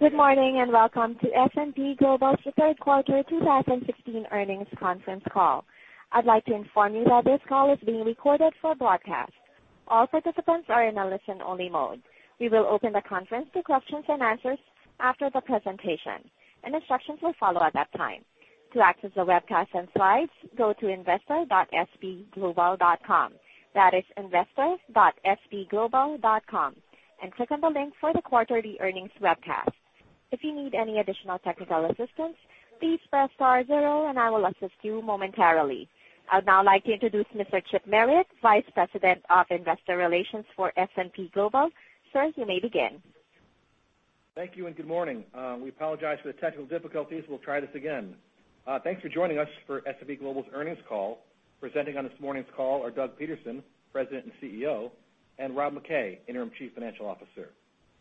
Good morning. Welcome to S&P Global's third quarter 2016 earnings conference call. I'd like to inform you that this call is being recorded for broadcast. All participants are in a listen-only mode. We will open the conference to questions and answers after the presentation, and instructions will follow at that time. To access the webcast and slides, go to investor.spglobal.com. That is investor.spglobal.com, and click on the link for the quarterly earnings webcast. If you need any additional technical assistance, please press star zero and I will assist you momentarily. I'd now like to introduce Mr. Chip Merritt, Vice President of Investor Relations for S&P Global. Sir, you may begin. Thank you. Good morning. We apologize for the technical difficulties. We'll try this again. Thanks for joining us for S&P Global's earnings call. Presenting on this morning's call are Doug Peterson, President and CEO, and Rob MacKay, Interim Chief Financial Officer.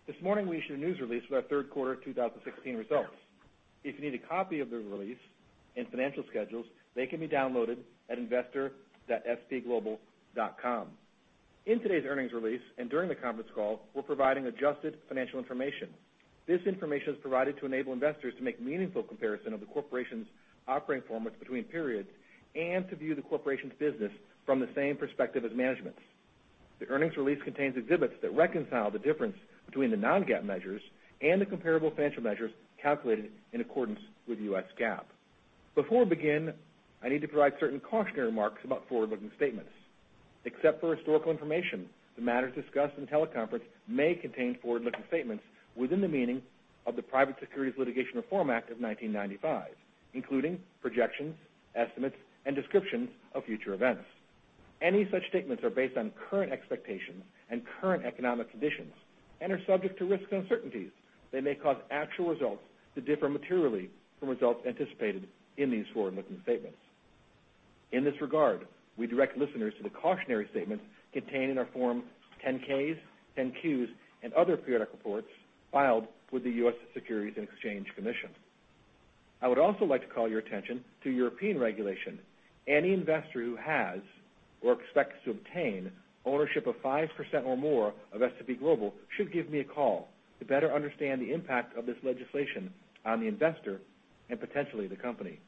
This morning, we issued a news release with our third quarter 2016 results. If you need a copy of the release and financial schedules, they can be downloaded at investor.spglobal.com. In today's earnings release and during the conference call, we're providing adjusted financial information. This information is provided to enable investors to make meaningful comparison of the corporation's operating performance between periods and to view the corporation's business from the same perspective as management. The earnings release contains exhibits that reconcile the difference between the non-GAAP measures and the comparable financial measures calculated in accordance with US GAAP. Before we begin, I need to provide certain cautionary remarks about forward-looking statements. Except for historical information, the matters discussed in the teleconference may contain forward-looking statements within the meaning of the Private Securities Litigation Reform Act of 1995, including projections, estimates, and descriptions of future events. Any such statements are based on current expectations and current economic conditions and are subject to risks and uncertainties that may cause actual results to differ materially from results anticipated in these forward-looking statements. In this regard, we direct listeners to the cautionary statements contained in our Forms 10-Ks, 10-Qs, and other periodic reports filed with the US Securities and Exchange Commission. I would also like to call your attention to European regulation. Any investor who has or expects to obtain ownership of 5% or more of S&P Global should give me a call to better understand the impact of this legislation on the investor and potentially the company.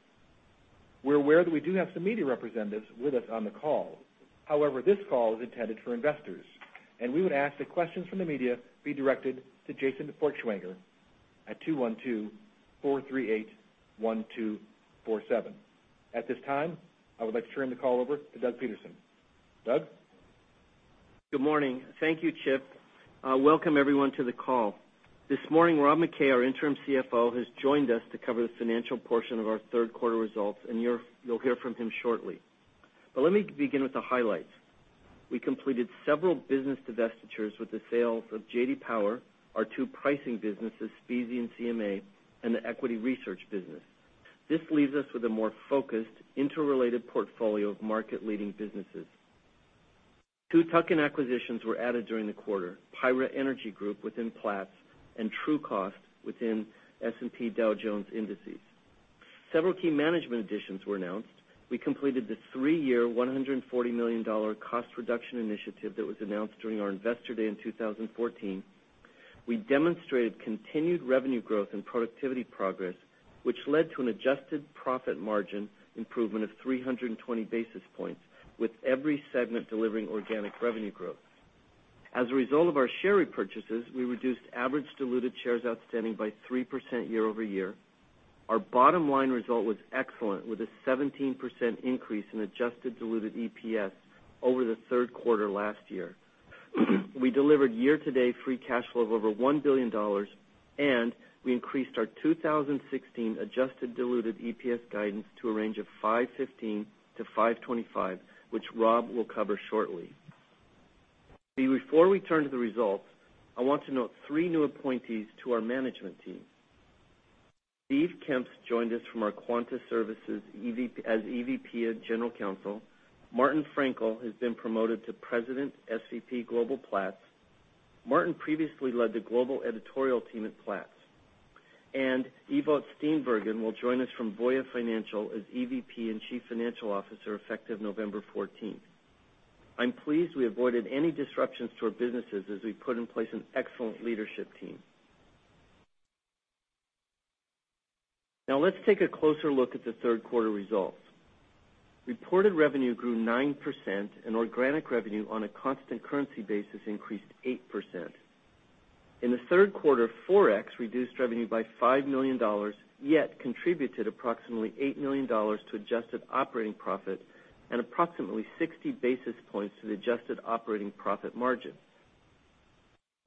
We're aware that we do have some media representatives with us on the call. However, this call is intended for investors, and we would ask that questions from the media be directed to Jason Feuchtwanger at 212-438-1247. At this time, I would like to turn the call over to Doug Peterson. Doug? Good morning. Thank you, Chip. Welcome, everyone, to the call. This morning, Rob MacKay, our Interim Chief Financial Officer, has joined us to cover the financial portion of our third quarter results, and you'll hear from him shortly. Let me begin with the highlights. We completed several business divestitures with the sales of J.D. Power, our two pricing businesses, SPSE and CMA, and the equity research business. This leaves us with a more focused, interrelated portfolio of market-leading businesses. Two tuck-in acquisitions were added during the quarter, PIRA Energy Group within Platts and Trucost within S&P Dow Jones Indices. Several key management additions were announced. We completed the three-year, $140 million cost reduction initiative that was announced during our Investor Day in 2014. We demonstrated continued revenue growth and productivity progress, which led to an adjusted profit margin improvement of 320 basis points, with every segment delivering organic revenue growth. As a result of our share repurchases, we reduced average diluted shares outstanding by 3% year-over-year. Our bottom-line result was excellent, with a 17% increase in adjusted diluted EPS over the third quarter last year. We delivered year-to-date free cash flow of over $1 billion, and we increased our 2016 adjusted diluted EPS guidance to a range of $5.15-$5.25, which Rob will cover shortly. Before we turn to the results, I want to note three new appointees to our management team. Steve Kemps joined us from our Quanta Services as Executive Vice President and General Counsel. Martin Fraenkel has been promoted to President, S&P Global Platts. Martin previously led the global editorial team at Platts. Ewout Steenbergen will join us from Voya Financial as Executive Vice President and Chief Financial Officer, effective November 14th. I'm pleased we avoided any disruptions to our businesses as we put in place an excellent leadership team. Let's take a closer look at the third quarter results. Reported revenue grew 9%, organic revenue on a constant currency basis increased 8%. In the third quarter, Forex reduced revenue by $5 million, yet contributed approximately $8 million to adjusted operating profit and approximately 60 basis points to the adjusted operating profit margin.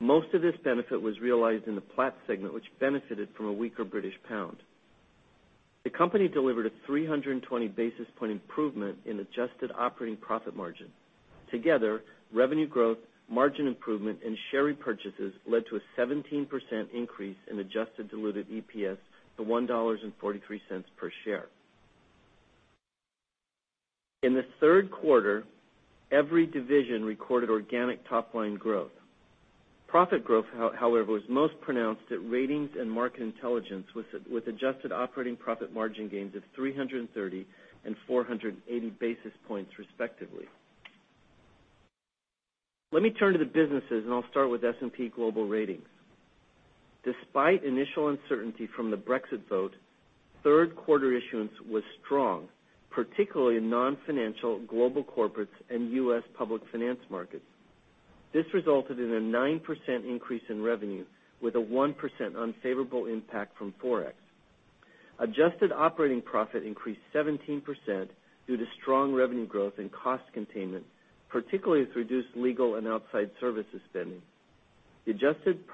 Most of this benefit was realized in the Platts segment, which benefited from a weaker British pound. The company delivered a 320-basis point improvement in adjusted operating profit margin. Together, revenue growth, margin improvement, and share repurchases led to a 17% increase in adjusted diluted EPS to $1.43 per share. In the third quarter, every division recorded organic top-line growth. Profit growth, however, was most pronounced at S&P Global Ratings and S&P Global Market Intelligence, with adjusted operating profit margin gains of 330 and 480 basis points, respectively. Let me turn to the businesses. I'll start with S&P Global Ratings. Despite initial uncertainty from the Brexit vote, third quarter issuance was strong, particularly in non-financial global corporates and U.S. public finance markets. This resulted in a 9% increase in revenue with a 1% unfavorable impact from Forex. Adjusted operating profit increased 17% due to strong revenue growth and cost containment, particularly through reduced legal and outside services spending. The adjusted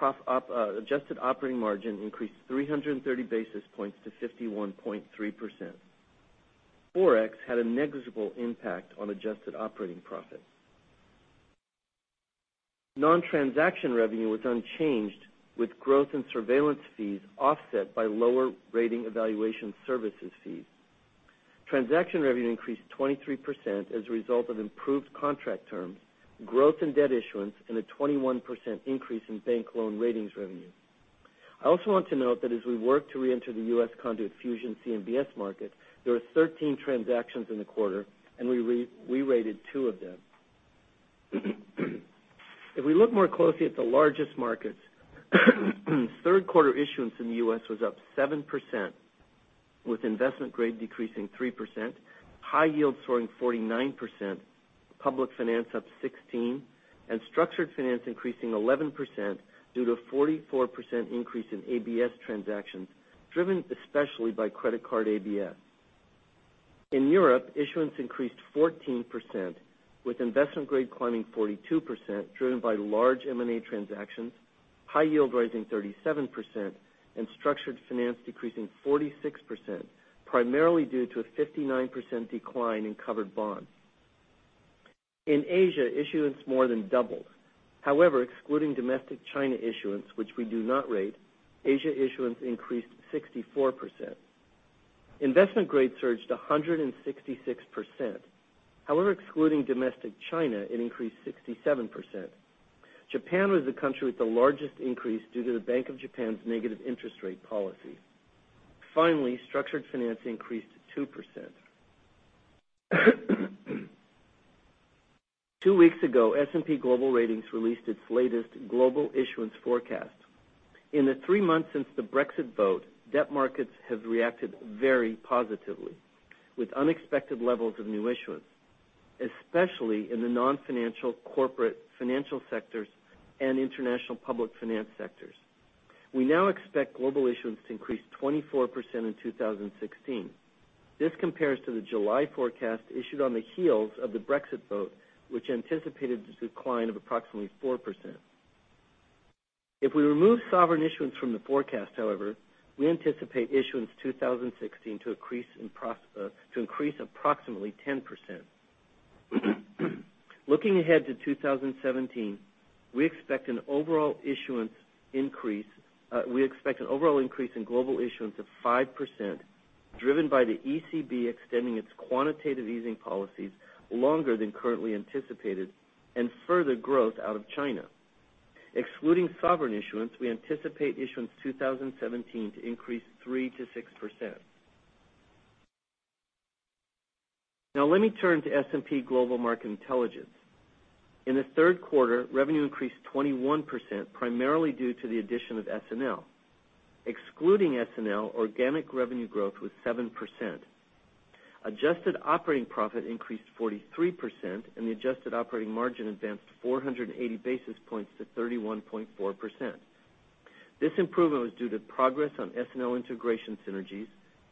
operating margin increased 330 basis points to 51.3%. Forex had a negligible impact on adjusted operating profit. Non-transaction revenue was unchanged with growth in surveillance fees offset by lower rating evaluation services fees. Transaction revenue increased 23% as a result of improved contract terms, growth in debt issuance, and a 21% increase in bank loan ratings revenue. I also want to note that as we work to re-enter the U.S. conduit/fusion CMBS market, there were 13 transactions in the quarter, and we re-rated two of them. If we look more closely at the largest markets, third quarter issuance in the U.S. was up 7%, with investment grade decreasing 3%, high yield soaring 49%, public finance up 16%, and structured finance increasing 11% due to a 44% increase in ABS transactions, driven especially by credit card ABS. In Europe, issuance increased 14%, with investment grade climbing 42%, driven by large M&A transactions, high yield rising 37%, and structured finance decreasing 46%, primarily due to a 59% decline in covered bonds. In Asia, issuance more than doubled. Excluding domestic China issuance, which we do not rate, Asia issuance increased 64%. Investment grade surged 166%. Excluding domestic China, it increased 67%. Japan was the country with the largest increase due to the Bank of Japan's negative interest rate policy. Finally, structured finance increased 2%. Two weeks ago, S&P Global Ratings released its latest global issuance forecast. In the three months since the Brexit vote, debt markets have reacted very positively, with unexpected levels of new issuance, especially in the non-financial corporate financial sectors and international public finance sectors. We now expect global issuance to increase 24% in 2016. This compares to the July forecast issued on the heels of the Brexit vote, which anticipated a decline of approximately 4%. If we remove sovereign issuance from the forecast, however, we anticipate issuance 2016 to increase approximately 10%. Looking ahead to 2017, we expect an overall increase in global issuance of 5%, driven by the ECB extending its quantitative easing policies longer than currently anticipated and further growth out of China. Excluding sovereign issuance, we anticipate issuance 2017 to increase 3%-6%. Let me turn to S&P Global Market Intelligence. In the third quarter, revenue increased 21%, primarily due to the addition of SNL. Excluding SNL, organic revenue growth was 7%. Adjusted operating profit increased 43%, and the adjusted operating margin advanced 480 basis points to 31.4%. This improvement was due to progress on SNL integration synergies,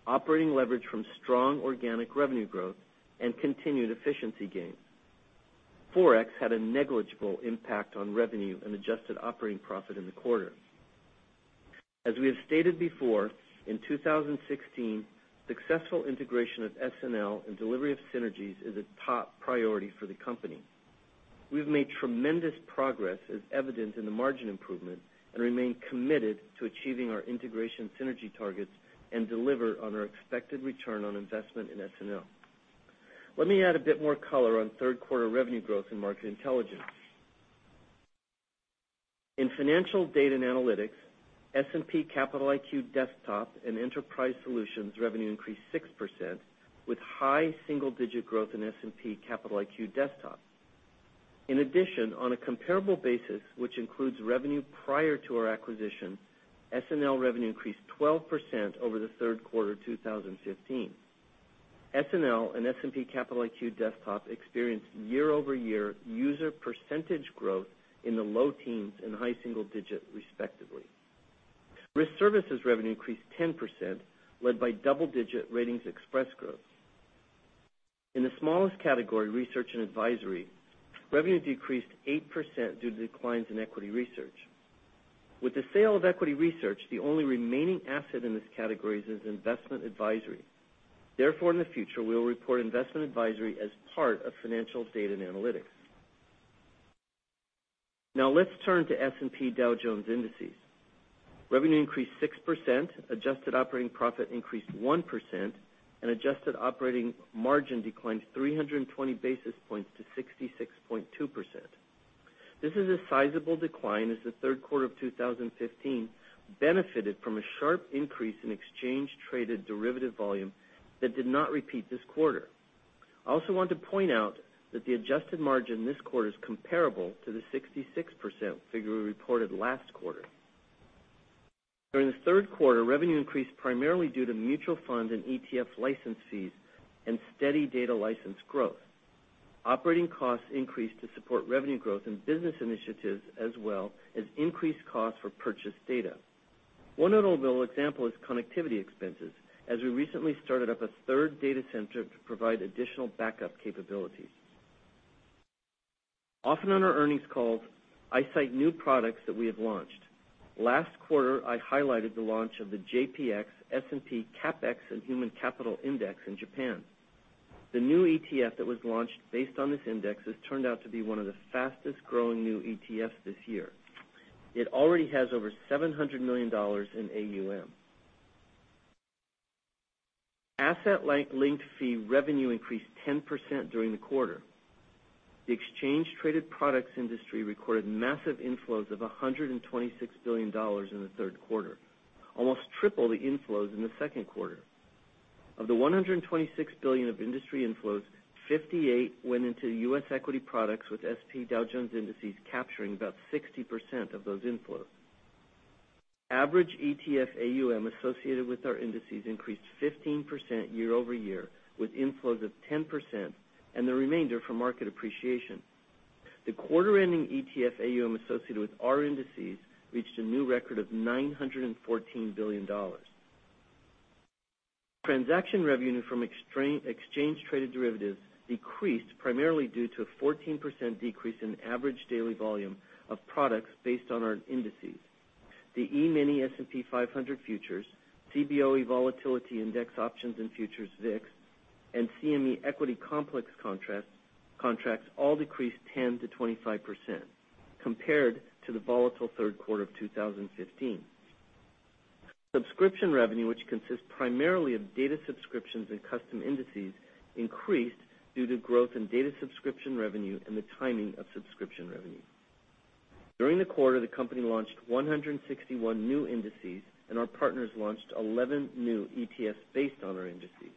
operating leverage from strong organic revenue growth, and continued efficiency gains. Forex had a negligible impact on revenue and adjusted operating profit in the quarter. As we have stated before, in 2016, successful integration of SNL and delivery of synergies is a top priority for the company. We've made tremendous progress, as evidenced in the margin improvement, and remain committed to achieving our integration synergy targets and deliver on our expected return on investment in SNL. Let me add a bit more color on third quarter revenue growth in Market Intelligence. In financial data and analytics, S&P Capital IQ Desktop and Enterprise Solutions revenue increased 6%, with high single-digit growth in S&P Capital IQ Desktop. In addition, on a comparable basis, which includes revenue prior to our acquisition, SNL revenue increased 12% over the third quarter 2015. SNL and S&P Capital IQ Desktop experienced year-over-year user percentage growth in the low teens and high single digit, respectively. Risk services revenue increased 10%, led by double-digit RatingsXpress growth. In the smallest category, research and advisory, revenue decreased 8% due to declines in equity research. With the sale of equity research, the only remaining asset in this category is investment advisory. In the future, we will report investment advisory as part of financial data and analytics. Let's turn to S&P Dow Jones Indices. Revenue increased 6%, adjusted operating profit increased 1%, and adjusted operating margin declined 320 basis points to 66.2%. This is a sizable decline as the third quarter of 2015 benefited from a sharp increase in exchange-traded derivative volume that did not repeat this quarter. I also want to point out that the adjusted margin this quarter is comparable to the 66% figure we reported last quarter. During the third quarter, revenue increased primarily due to mutual funds and ETF license fees and steady data license growth. Operating costs increased to support revenue growth and business initiatives as well as increased costs for purchased data. One notable example is connectivity expenses, as we recently started up a third data center to provide additional backup capabilities. Often on our earnings calls, I cite new products that we have launched. Last quarter, I highlighted the launch of the JPX S&P CapEx and Human Capital Index in Japan. The new ETF that was launched based on this index has turned out to be one of the fastest-growing new ETFs this year. It already has over $700 million in AUM. Asset-linked fee revenue increased 10% during the quarter. The exchange-traded products industry recorded massive inflows of $126 billion in the third quarter, almost triple the inflows in the second quarter. Of the $126 billion of industry inflows, $58 went into U.S. equity products with S&P Dow Jones Indices capturing about 60% of those inflows. Average ETF AUM associated with our indices increased 15% year-over-year, with inflows of 10% and the remainder from market appreciation. The quarter-ending ETF AUM associated with our indices reached a new record of $914 billion. Transaction revenue from exchange-traded derivatives decreased primarily due to a 14% decrease in average daily volume of products based on our indices. The E-mini S&P 500 futures, Cboe Volatility Index options and futures VIX, and CME equity complex contracts all decreased 10%-25% compared to the volatile third quarter of 2015. Subscription revenue, which consists primarily of data subscriptions and custom indices, increased due to growth in data subscription revenue and the timing of subscription revenue. During the quarter, the company launched 161 new indices, and our partners launched 11 new ETFs based on our indices.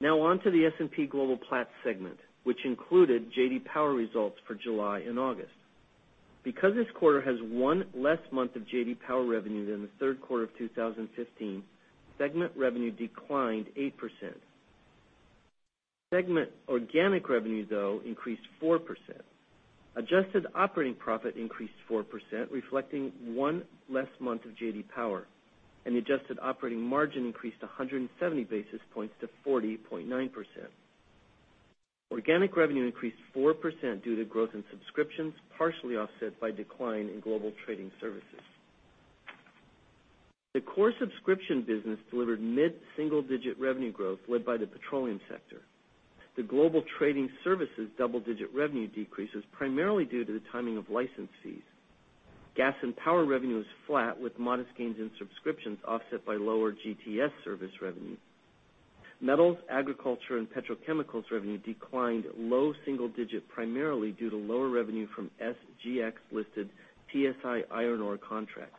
Now on to the S&P Global Platts segment, which included J.D. Power results for July and August. Because this quarter has one less month of J.D. Power revenue than the third quarter of 2015, segment revenue declined 8%. Segment organic revenue, though, increased 4%. Adjusted operating profit increased 4%, reflecting one less month of J.D. Power, and adjusted operating margin increased 170 basis points to 40.9%. Organic revenue increased 4% due to growth in subscriptions, partially offset by decline in Global Trading Services. The core subscription business delivered mid-single-digit revenue growth led by the petroleum sector. The Global Trading Services double-digit revenue decreases primarily due to the timing of license fees. Gas and power revenue is flat with modest gains in subscriptions offset by lower GTS service revenue. Metals, agriculture, and petrochemicals revenue declined low single digit primarily due to lower revenue from SGX-listed TSI iron ore contracts.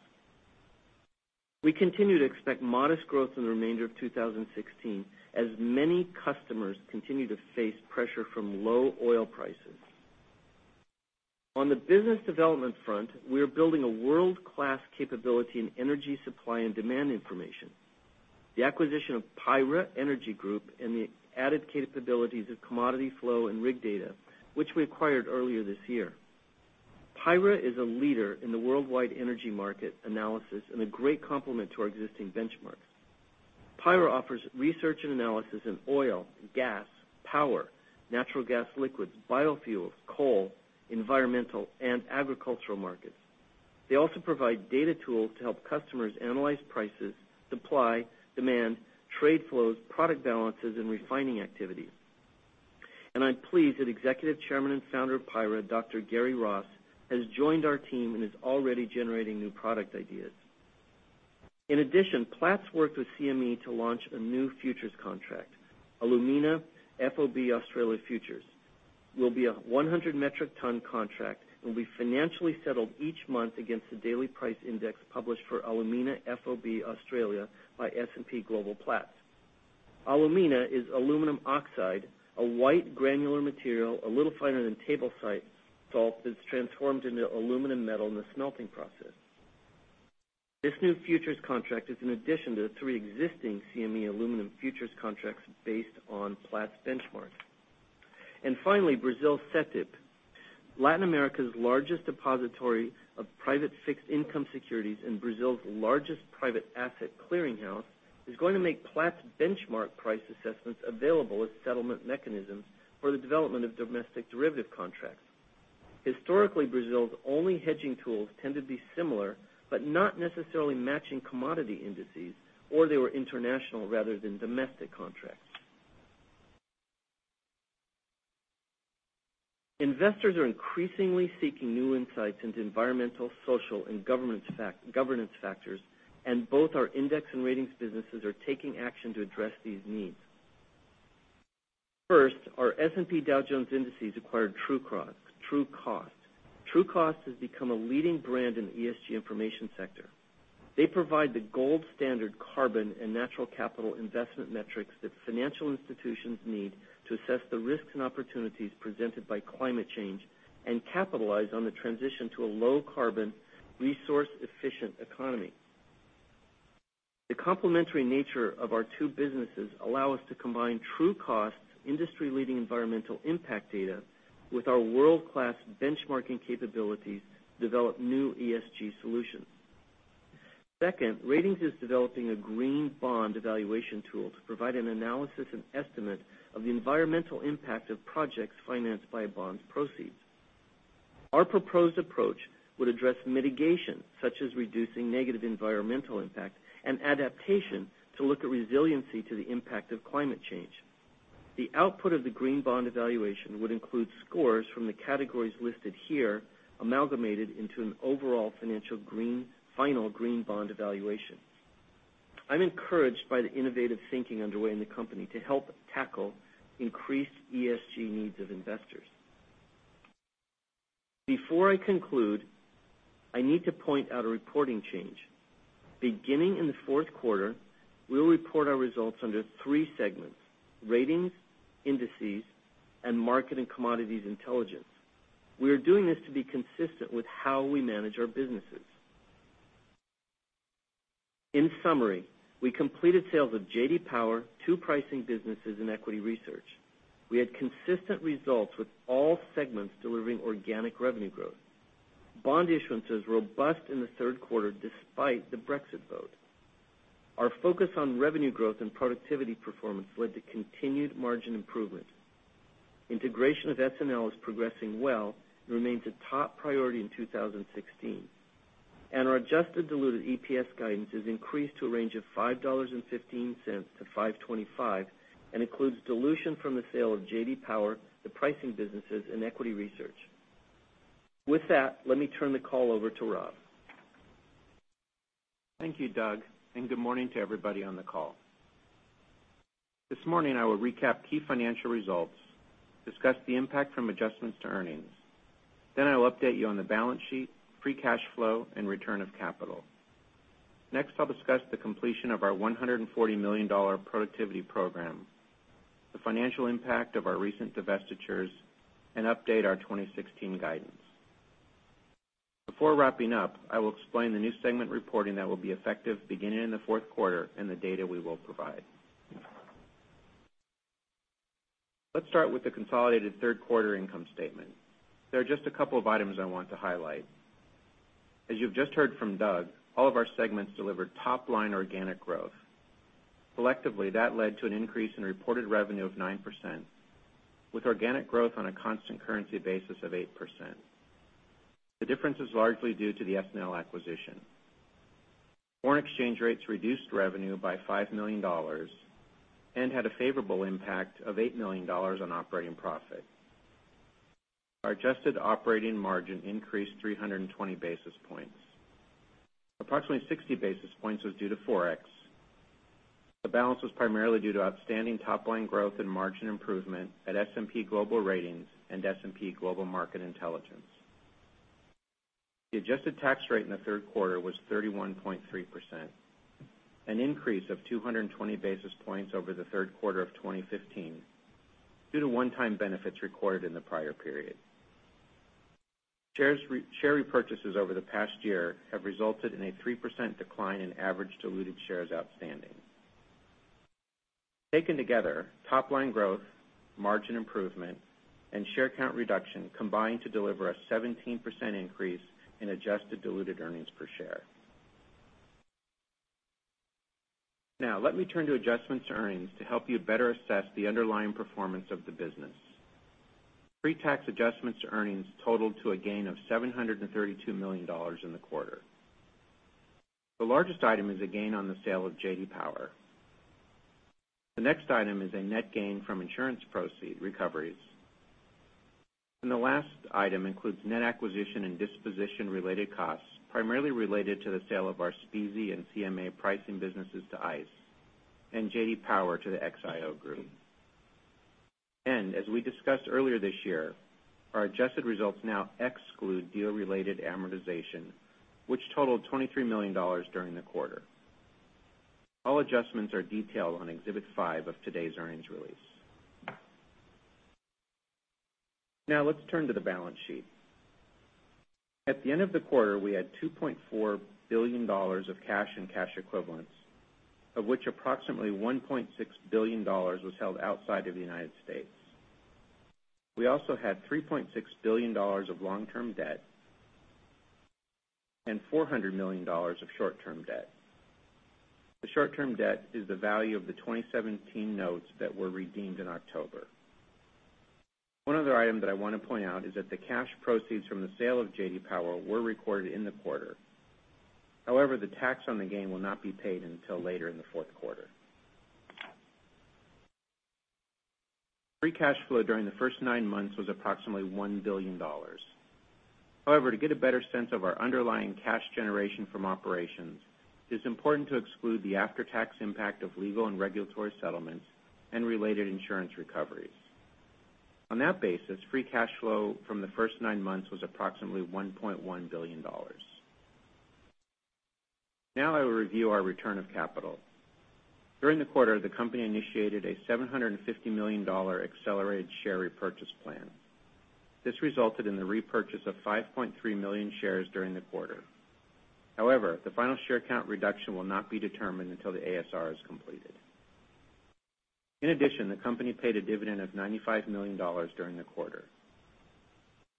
We continue to expect modest growth in the remainder of 2016 as many customers continue to face pressure from low oil prices. On the business development front, we are building a world-class capability in energy supply and demand information. The acquisition of PIRA Energy Group and the added capabilities of commodity flow and rig data, which we acquired earlier this year. PIRA is a leader in the worldwide energy market analysis and a great complement to our existing benchmarks. PIRA offers research and analysis in oil, gas, power, natural gas liquids, biofuels, coal, environmental, and agricultural markets. They also provide data tools to help customers analyze prices, supply, demand, trade flows, product balances, and refining activities. I'm pleased that Executive Chairman and Founder of PIRA, Dr. Gary Ross, has joined our team and is already generating new product ideas. In addition, Platts worked with CME to launch a new futures contract. Alumina FOB Australia futures will be a 100-metric-ton contract and will be financially settled each month against the daily price index published for Alumina FOB Australia by S&P Global Platts. Alumina is aluminum oxide, a white granular material, a little finer than table salt, that's transformed into aluminum metal in the smelting process. This new futures contract is an addition to the three existing CME aluminum futures contracts based on Platts benchmarks. Finally, Brazil's Cetip, Latin America's largest depository of private fixed income securities and Brazil's largest private asset clearinghouse, is going to make Platts benchmark price assessments available as settlement mechanisms for the development of domestic derivative contracts. Historically, Brazil's only hedging tools tend to be similar, but not necessarily matching commodity indices, or they were international rather than domestic contracts. Investors are increasingly seeking new insights into environmental, social, and governance factors. Both our index and ratings businesses are taking action to address these needs. First, our S&P Dow Jones Indices acquired Trucost. Trucost has become a leading brand in the ESG information sector. They provide the gold standard carbon and natural capital investment metrics that financial institutions need to assess the risks and opportunities presented by climate change and capitalize on the transition to a low carbon, resource efficient economy. The complementary nature of our two businesses allow us to combine Trucost industry leading environmental impact data with our world class benchmarking capabilities to develop new ESG solutions. Second, Ratings is developing a green bond evaluation tool to provide an analysis and estimate of the environmental impact of projects financed by a bond's proceeds. Our proposed approach would address mitigation, such as reducing negative environmental impact and adaptation to look at resiliency to the impact of climate change. The output of the green bond evaluation would include scores from the categories listed here, amalgamated into an overall financial final green bond evaluation. I'm encouraged by the innovative thinking underway in the company to help tackle increased ESG needs of investors. Before I conclude, I need to point out a reporting change. Beginning in the fourth quarter, we'll report our results under three segments, Ratings, Indices, and Market & Commodities Intelligence. We are doing this to be consistent with how we manage our businesses. In summary, we completed sales of J.D. Power, two pricing businesses in equity research. We had consistent results with all segments delivering organic revenue growth. Bond issuance was robust in the third quarter despite the Brexit vote. Our focus on revenue growth and productivity performance led to continued margin improvements. Integration of SNL is progressing well and remains a top priority in 2016. Our adjusted diluted EPS guidance is increased to a range of $5.15-$5.25, and includes dilution from the sale of J.D. Power, the pricing businesses, and equity research. With that, let me turn the call over to Rob. Thank you, Doug, and good morning to everybody on the call. This morning I will recap key financial results, discuss the impact from adjustments to earnings. I will update you on the balance sheet, free cash flow, and return of capital. I'll discuss the completion of our $140 million productivity program, the financial impact of our recent divestitures, and update our 2016 guidance. Before wrapping up, I will explain the new segment reporting that will be effective beginning in the fourth quarter and the data we will provide. Let's start with the consolidated third quarter income statement. There are just a couple of items I want to highlight. As you've just heard from Doug, all of our segments delivered top line organic growth. Collectively, that led to an increase in reported revenue of 9%, with organic growth on a constant currency basis of 8%. The difference is largely due to the SNL acquisition. Foreign exchange rates reduced revenue by $5 million and had a favorable impact of $8 million on operating profit. Our adjusted operating margin increased 320 basis points. Approximately 60 basis points was due to Forex. The balance was primarily due to outstanding top line growth and margin improvement at S&P Global Ratings and S&P Global Market Intelligence. The adjusted tax rate in the third quarter was 31.3%, an increase of 220 basis points over the third quarter of 2015 due to one time benefits recorded in the prior period. Share repurchases over the past year have resulted in a 3% decline in average diluted shares outstanding. Taken together, top line growth, margin improvement, and share count reduction combined to deliver a 17% increase in adjusted diluted earnings per share. Let me turn to adjustments to earnings to help you better assess the underlying performance of the business. Pre-tax adjustments to earnings totaled to a gain of $732 million in the quarter. The largest item is a gain on the sale of J.D. Power. The next item is a net gain from insurance proceed recoveries. The last item includes net acquisition and disposition related costs, primarily related to the sale of our SPSE and CMA pricing businesses to ICE and J.D. Power to the XIO Group. As we discussed earlier this year, our adjusted results now exclude deal related amortization, which totaled $23 million during the quarter. All adjustments are detailed on exhibit five of today's earnings release. Let's turn to the balance sheet. At the end of the quarter, we had $2.4 billion of cash and cash equivalents, of which approximately $1.6 billion was held outside of the United States. We also had $3.6 billion of long-term debt and $400 million of short-term debt. The short-term debt is the value of the 2017 notes that were redeemed in October. One other item that I want to point out is that the cash proceeds from the sale of J.D. Power were recorded in the quarter. The tax on the gain will not be paid until later in the fourth quarter. Free cash flow during the first nine months was approximately $1 billion. To get a better sense of our underlying cash generation from operations, it is important to exclude the after-tax impact of legal and regulatory settlements and related insurance recoveries. On that basis, free cash flow from the first nine months was approximately $1.1 billion. I will review our return of capital. During the quarter, the company initiated a $750 million accelerated share repurchase plan. This resulted in the repurchase of 5.3 million shares during the quarter. The final share count reduction will not be determined until the ASR is completed. The company paid a dividend of $95 million during the quarter.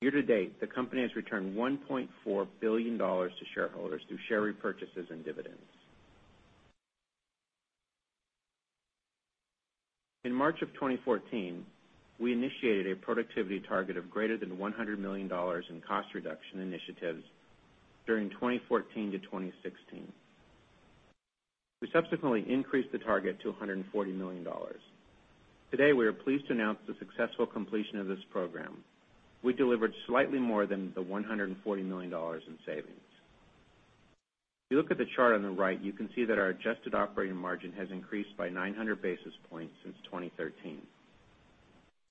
Year to date, the company has returned $1.4 billion to shareholders through share repurchases and dividends. In March of 2014, we initiated a productivity target of greater than $100 million in cost reduction initiatives during 2014 to 2016. We subsequently increased the target to $140 million. Today, we are pleased to announce the successful completion of this program. We delivered slightly more than the $140 million in savings. If you look at the chart on the right, you can see that our adjusted operating margin has increased by 900 basis points since 2013.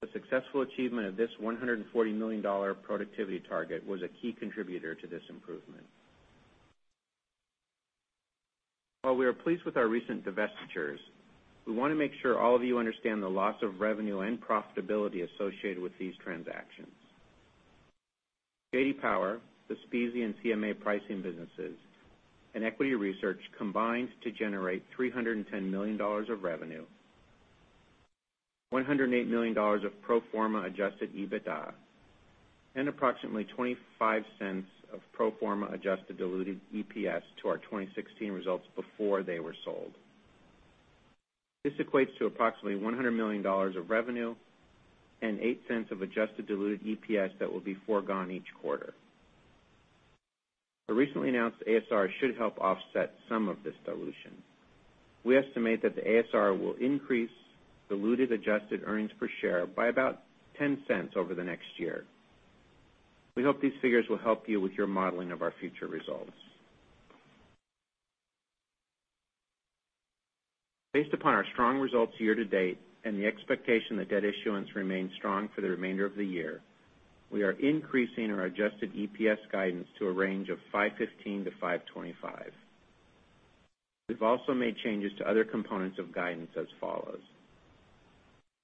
The successful achievement of this $140 million productivity target was a key contributor to this improvement. While we are pleased with our recent divestitures, we want to make sure all of you understand the loss of revenue and profitability associated with these transactions. J.D. Power, the SPSE and CMA pricing businesses, and Equity Research combined to generate $310 million of revenue, $108 million of pro forma adjusted EBITDA, and approximately $0.25 of pro forma adjusted diluted EPS to our 2016 results before they were sold. This equates to approximately $100 million of revenue and $0.08 of adjusted diluted EPS that will be foregone each quarter. The recently announced ASR should help offset some of this dilution. We estimate that the ASR will increase diluted adjusted earnings per share by about $0.10 over the next year. We hope these figures will help you with your modeling of our future results. Based upon our strong results year to date and the expectation that debt issuance remains strong for the remainder of the year, we are increasing our adjusted EPS guidance to a range of $5.15-$5.25. We've also made changes to other components of guidance as follows.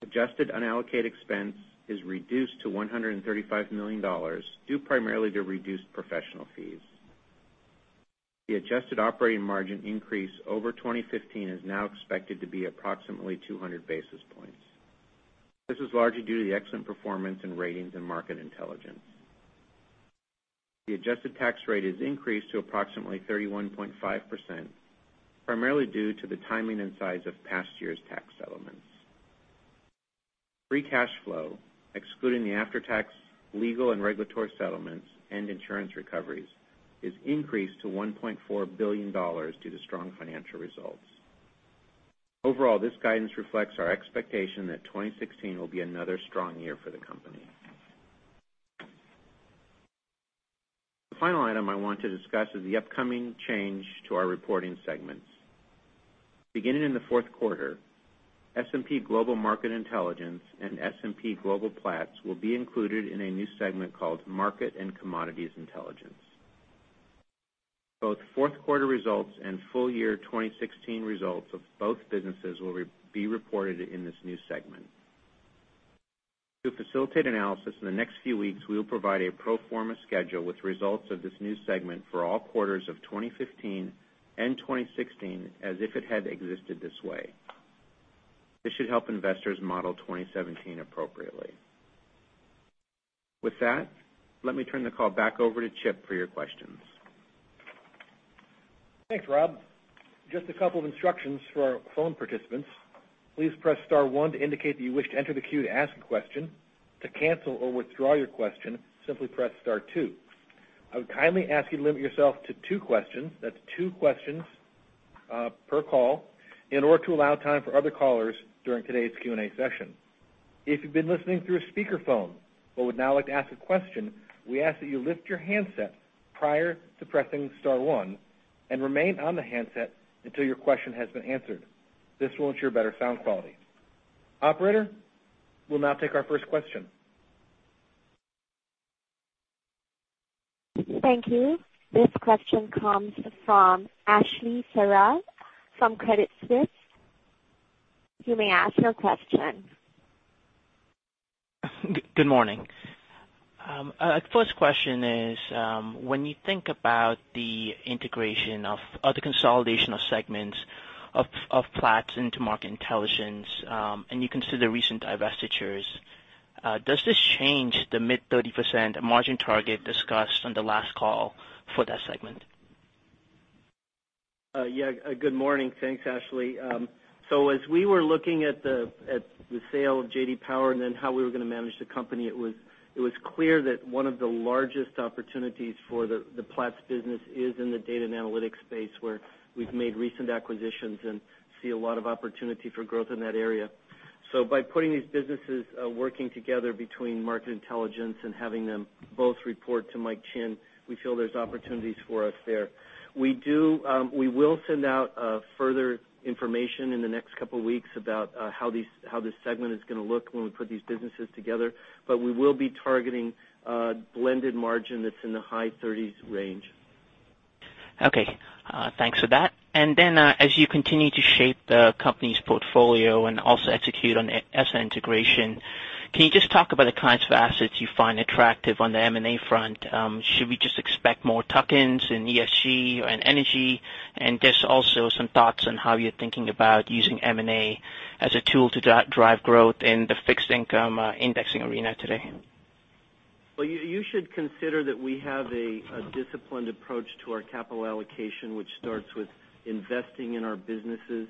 Adjusted unallocated expense is reduced to $135 million, due primarily to reduced professional fees. The adjusted operating margin increase over 2015 is now expected to be approximately 200 basis points. This is largely due to the excellent performance in Ratings and Market Intelligence. The adjusted tax rate is increased to approximately 31.5%, primarily due to the timing and size of past year's tax settlements. Free cash flow, excluding the after-tax legal and regulatory settlements and insurance recoveries, is increased to $1.4 billion due to strong financial results. Overall, this guidance reflects our expectation that 2016 will be another strong year for the company. The final item I want to discuss is the upcoming change to our reporting segments. Beginning in the fourth quarter, S&P Global Market Intelligence and S&P Global Platts will be included in a new segment called Market and Commodities Intelligence. Both fourth quarter results and full year 2016 results of both businesses will be reported in this new segment. To facilitate analysis, in the next few weeks, we will provide a pro forma schedule with results of this new segment for all quarters of 2015 and 2016 as if it had existed this way. This should help investors model 2017 appropriately. With that, let me turn the call back over to Chip for your questions. Thanks, Rob. Just a couple of instructions for our phone participants. Please press star one to indicate that you wish to enter the queue to ask a question. To cancel or withdraw your question, simply press star two. I would kindly ask you to limit yourself to two questions. That's two questions per call in order to allow time for other callers during today's Q&A session. If you've been listening through a speakerphone but would now like to ask a question, we ask that you lift your handset prior to pressing star one and remain on the handset until your question has been answered. This will ensure better sound quality. Operator, we'll now take our first question. Thank you. This question comes from Ashley Serrao from Credit Suisse. You may ask your question. Good morning. First question is, when you think about the integration of other consolidation of segments of Platts into Market Intelligence, and you consider recent divestitures, does this change the mid 30% margin target discussed on the last call for that segment? Good morning. Thanks, Ashley. As we were looking at the sale of J.D. Power and then how we were going to manage the company, it was clear that one of the largest opportunities for the Platts business is in the data and analytics space, where we've made recent acquisitions and see a lot of opportunity for growth in that area. By putting these businesses working together between Market Intelligence and having them both report to Mike Chinn, we feel there's opportunities for us there. We will send out further information in the next couple of weeks about how this segment is going to look when we put these businesses together, but we will be targeting a blended margin that's in the high 30s range. Okay. Thanks for that. As you continue to shape the company's portfolio and also execute on SNL integration, can you just talk about the kinds of assets you find attractive on the M&A front? Should we just expect more tuck-ins in ESG or in energy? Just also some thoughts on how you're thinking about using M&A as a tool to drive growth in the fixed income indexing arena today. You should consider that we have a disciplined approach to our capital allocation, which starts with investing in our businesses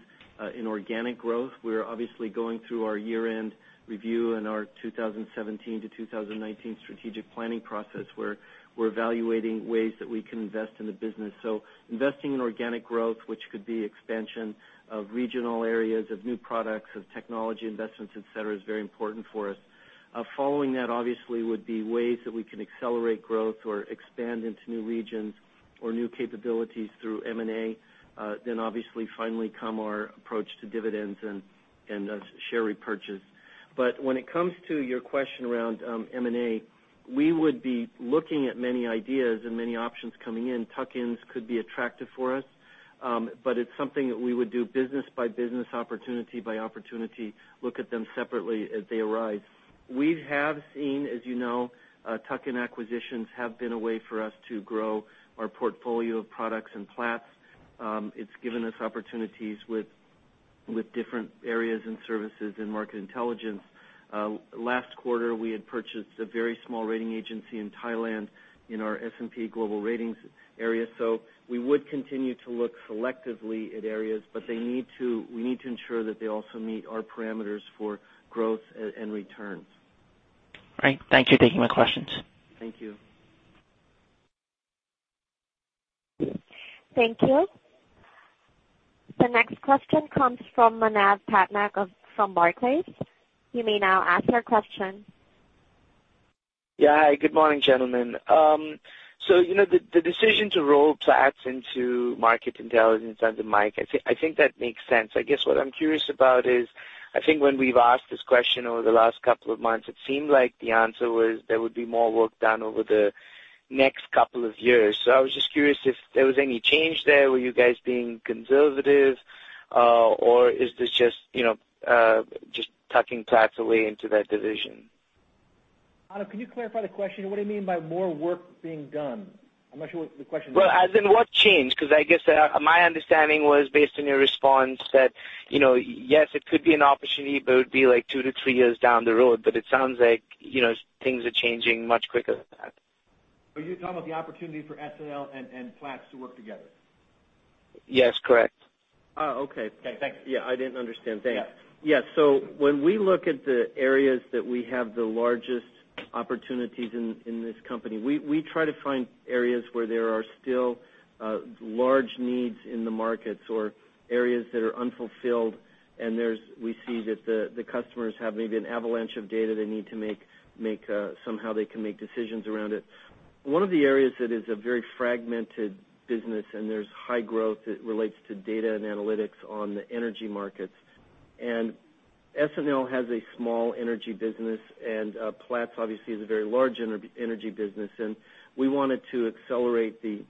in organic growth. We're obviously going through our year-end review and our 2017 to 2019 strategic planning process, where we're evaluating ways that we can invest in the business. Investing in organic growth, which could be expansion of regional areas, of new products, of technology investments, et cetera, is very important for us. Following that, obviously, would be ways that we can accelerate growth or expand into new regions or new capabilities through M&A. Obviously finally come our approach to dividends and share repurchase. When it comes to your question around M&A, we would be looking at many ideas and many options coming in. Tuck-ins could be attractive for us. It's something that we would do business by business, opportunity by opportunity, look at them separately as they arise. We have seen, as you know, tuck-in acquisitions have been a way for us to grow our portfolio of products and Platts. It's given us opportunities with different areas and services in Market Intelligence. Last quarter, we had purchased a very small rating agency in Thailand in our S&P Global Ratings area. We would continue to look selectively at areas, but we need to ensure that they also meet our parameters for growth and returns. Great. Thank you for taking my questions. Thank you. Thank you. The next question comes from Manav Patnaik from Barclays. You may now ask your question. Yeah. Hi, good morning, gentlemen. The decision to roll Platts into Market Intelligence under Mike, I think that makes sense. I guess what I'm curious about is, I think when we've asked this question over the last couple of months, it seemed like the answer was there would be more work done over the next couple of years. I was just curious if there was any change there. Were you guys being conservative, or is this just tucking Platts away into that division? Manav, can you clarify the question? What do you mean by more work being done? I'm not sure what the question is. As in what changed, because I guess my understanding was based on your response that, yes, it could be an opportunity, but it would be two to three years down the road. It sounds like things are changing much quicker than that. Are you talking about the opportunity for SNL and Platts to work together? Yes, correct. Oh, okay. Okay. Thanks. Yeah, I didn't understand. Thanks. Yeah. Yeah. When we look at the areas that we have the largest opportunities in this company, we try to find areas where there are still large needs in the markets or areas that are unfulfilled. We see that the customers have maybe an avalanche of data they need to make, somehow they can make decisions around it. One of the areas that is a very fragmented business, and there's high growth that relates to data and analytics on the energy markets. SNL has a small energy business, and Platts obviously is a very large energy business. We wanted to accelerate the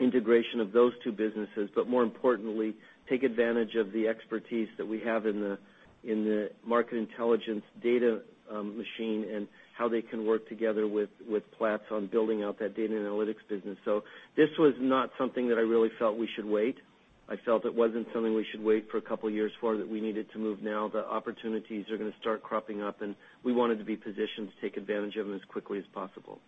integration of those two businesses, but more importantly, take advantage of the expertise that we have in the Market Intelligence data machine and how they can work together with Platts on building out that data analytics business. This was not something that I really felt we should wait. I felt it wasn't something we should wait for a couple of years for, that we needed to move now. The opportunities are going to start cropping up, and we wanted to be positioned to take advantage of them as quickly as possible.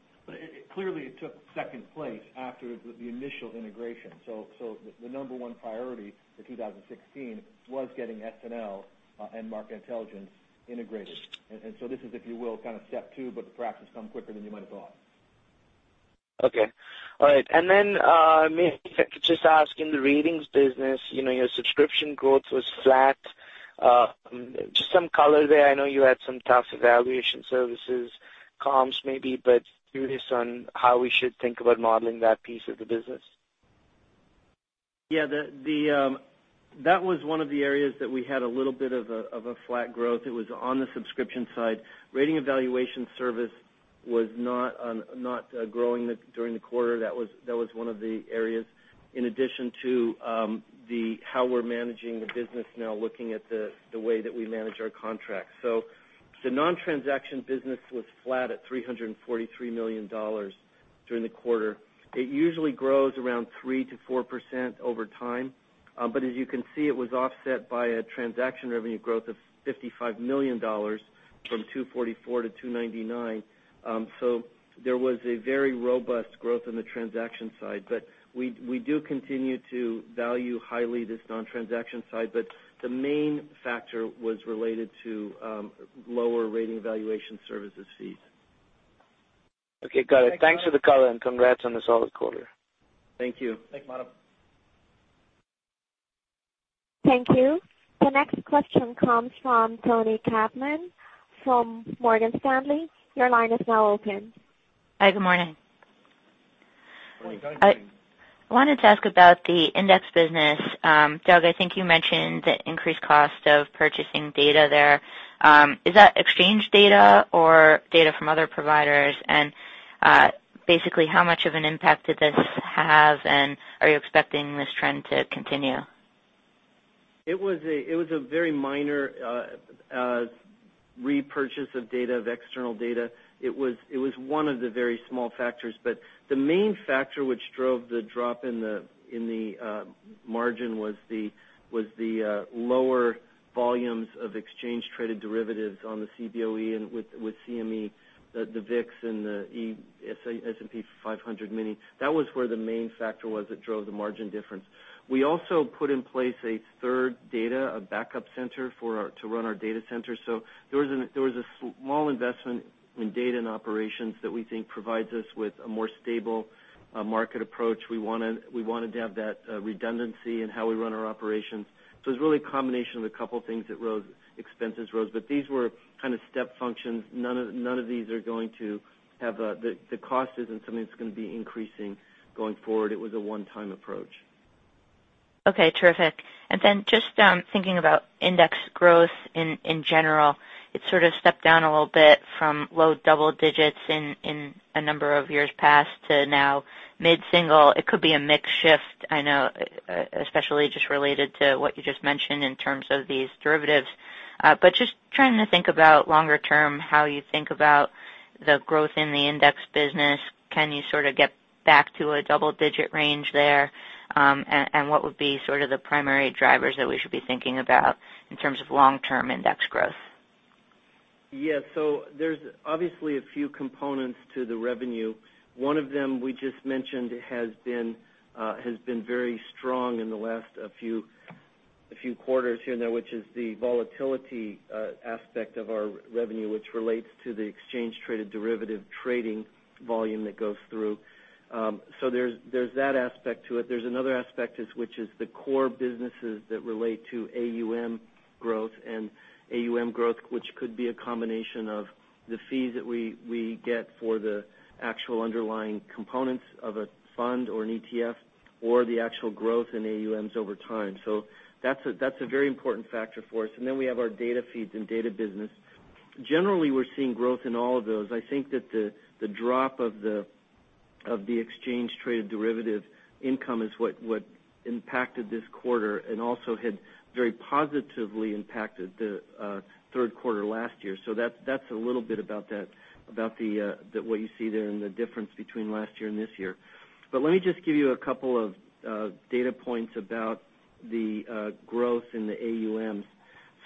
Clearly it took second place after the initial integration. The number one priority for 2016 was getting SNL and Market Intelligence integrated. This is, if you will, kind of step two, but perhaps this come quicker than you might have thought. Okay. All right. May I just ask in the ratings business, your subscription growth was flat. Just some color there. I know you had some tough evaluation services comps maybe, but curious on how we should think about modeling that piece of the business. That was one of the areas that we had a little bit of a flat growth. It was on the subscription side. Rating evaluation service was not growing during the quarter. That was one of the areas. In addition to how we're managing the business now, looking at the way that we manage our contracts. The non-transaction business was flat at $343 million during the quarter. It usually grows around 3%-4% over time. As you can see, it was offset by a transaction revenue growth of $55 million from $244 to $299. There was a very robust growth in the transaction side. We do continue to value highly this non-transaction side, but the main factor was related to lower rating evaluation services fees. Got it. Thanks for the color and congrats on the solid quarter. Thank you. Thanks, Manav. Thank you. The next question comes from Toni Kaplan from Morgan Stanley. Your line is now open. Hi, good morning. Good morning. I wanted to ask about the index business. Doug, I think you mentioned the increased cost of purchasing data there. Is that exchange data or data from other providers? Basically, how much of an impact did this have, and are you expecting this trend to continue? It was a very minor repurchase of external data. It was one of the very small factors, but the main factor which drove the drop in the margin was the lower volumes of exchange traded derivatives on the CBOE and with CME, the VIX and the S&P 500 Mini. That was where the main factor was that drove the margin difference. We also put in place a third data, a backup center to run our data center. There was a small investment in data and operations that we think provides us with a more stable market approach. We wanted to have that redundancy in how we run our operations. It's really a combination of a couple things that expenses rose, but these were kind of step functions. None of these, the cost isn't something that's going to be increasing going forward. It was a one-time approach. Okay, terrific. Just thinking about index growth in general, it sort of stepped down a little bit from low double digits in a number of years past to now mid-single. It could be a mix shift, I know, especially just related to what you just mentioned in terms of these derivatives. Just trying to think about longer term, how you think about the growth in the index business. Can you sort of get back to a double-digit range there? What would be sort of the primary drivers that we should be thinking about in terms of long-term index growth? Yeah. There's obviously a few components to the revenue. One of them we just mentioned has been very strong in the last few quarters here and there, which is the volatility aspect of our revenue, which relates to the exchange traded derivative trading volume that goes through. There's that aspect to it. There's another aspect, which is the core businesses that relate to AUM growth, and AUM growth, which could be a combination of the fees that we get for the actual underlying components of a fund or an ETF or the actual growth in AUMs over time. That's a very important factor for us. We have our data feeds and data business. Generally, we're seeing growth in all of those. I think that the drop of the exchange traded derivative income is what impacted this quarter and also had very positively impacted the third quarter last year. That's a little bit about what you see there and the difference between last year and this year. Let me just give you a couple of data points about the growth in the AUMs.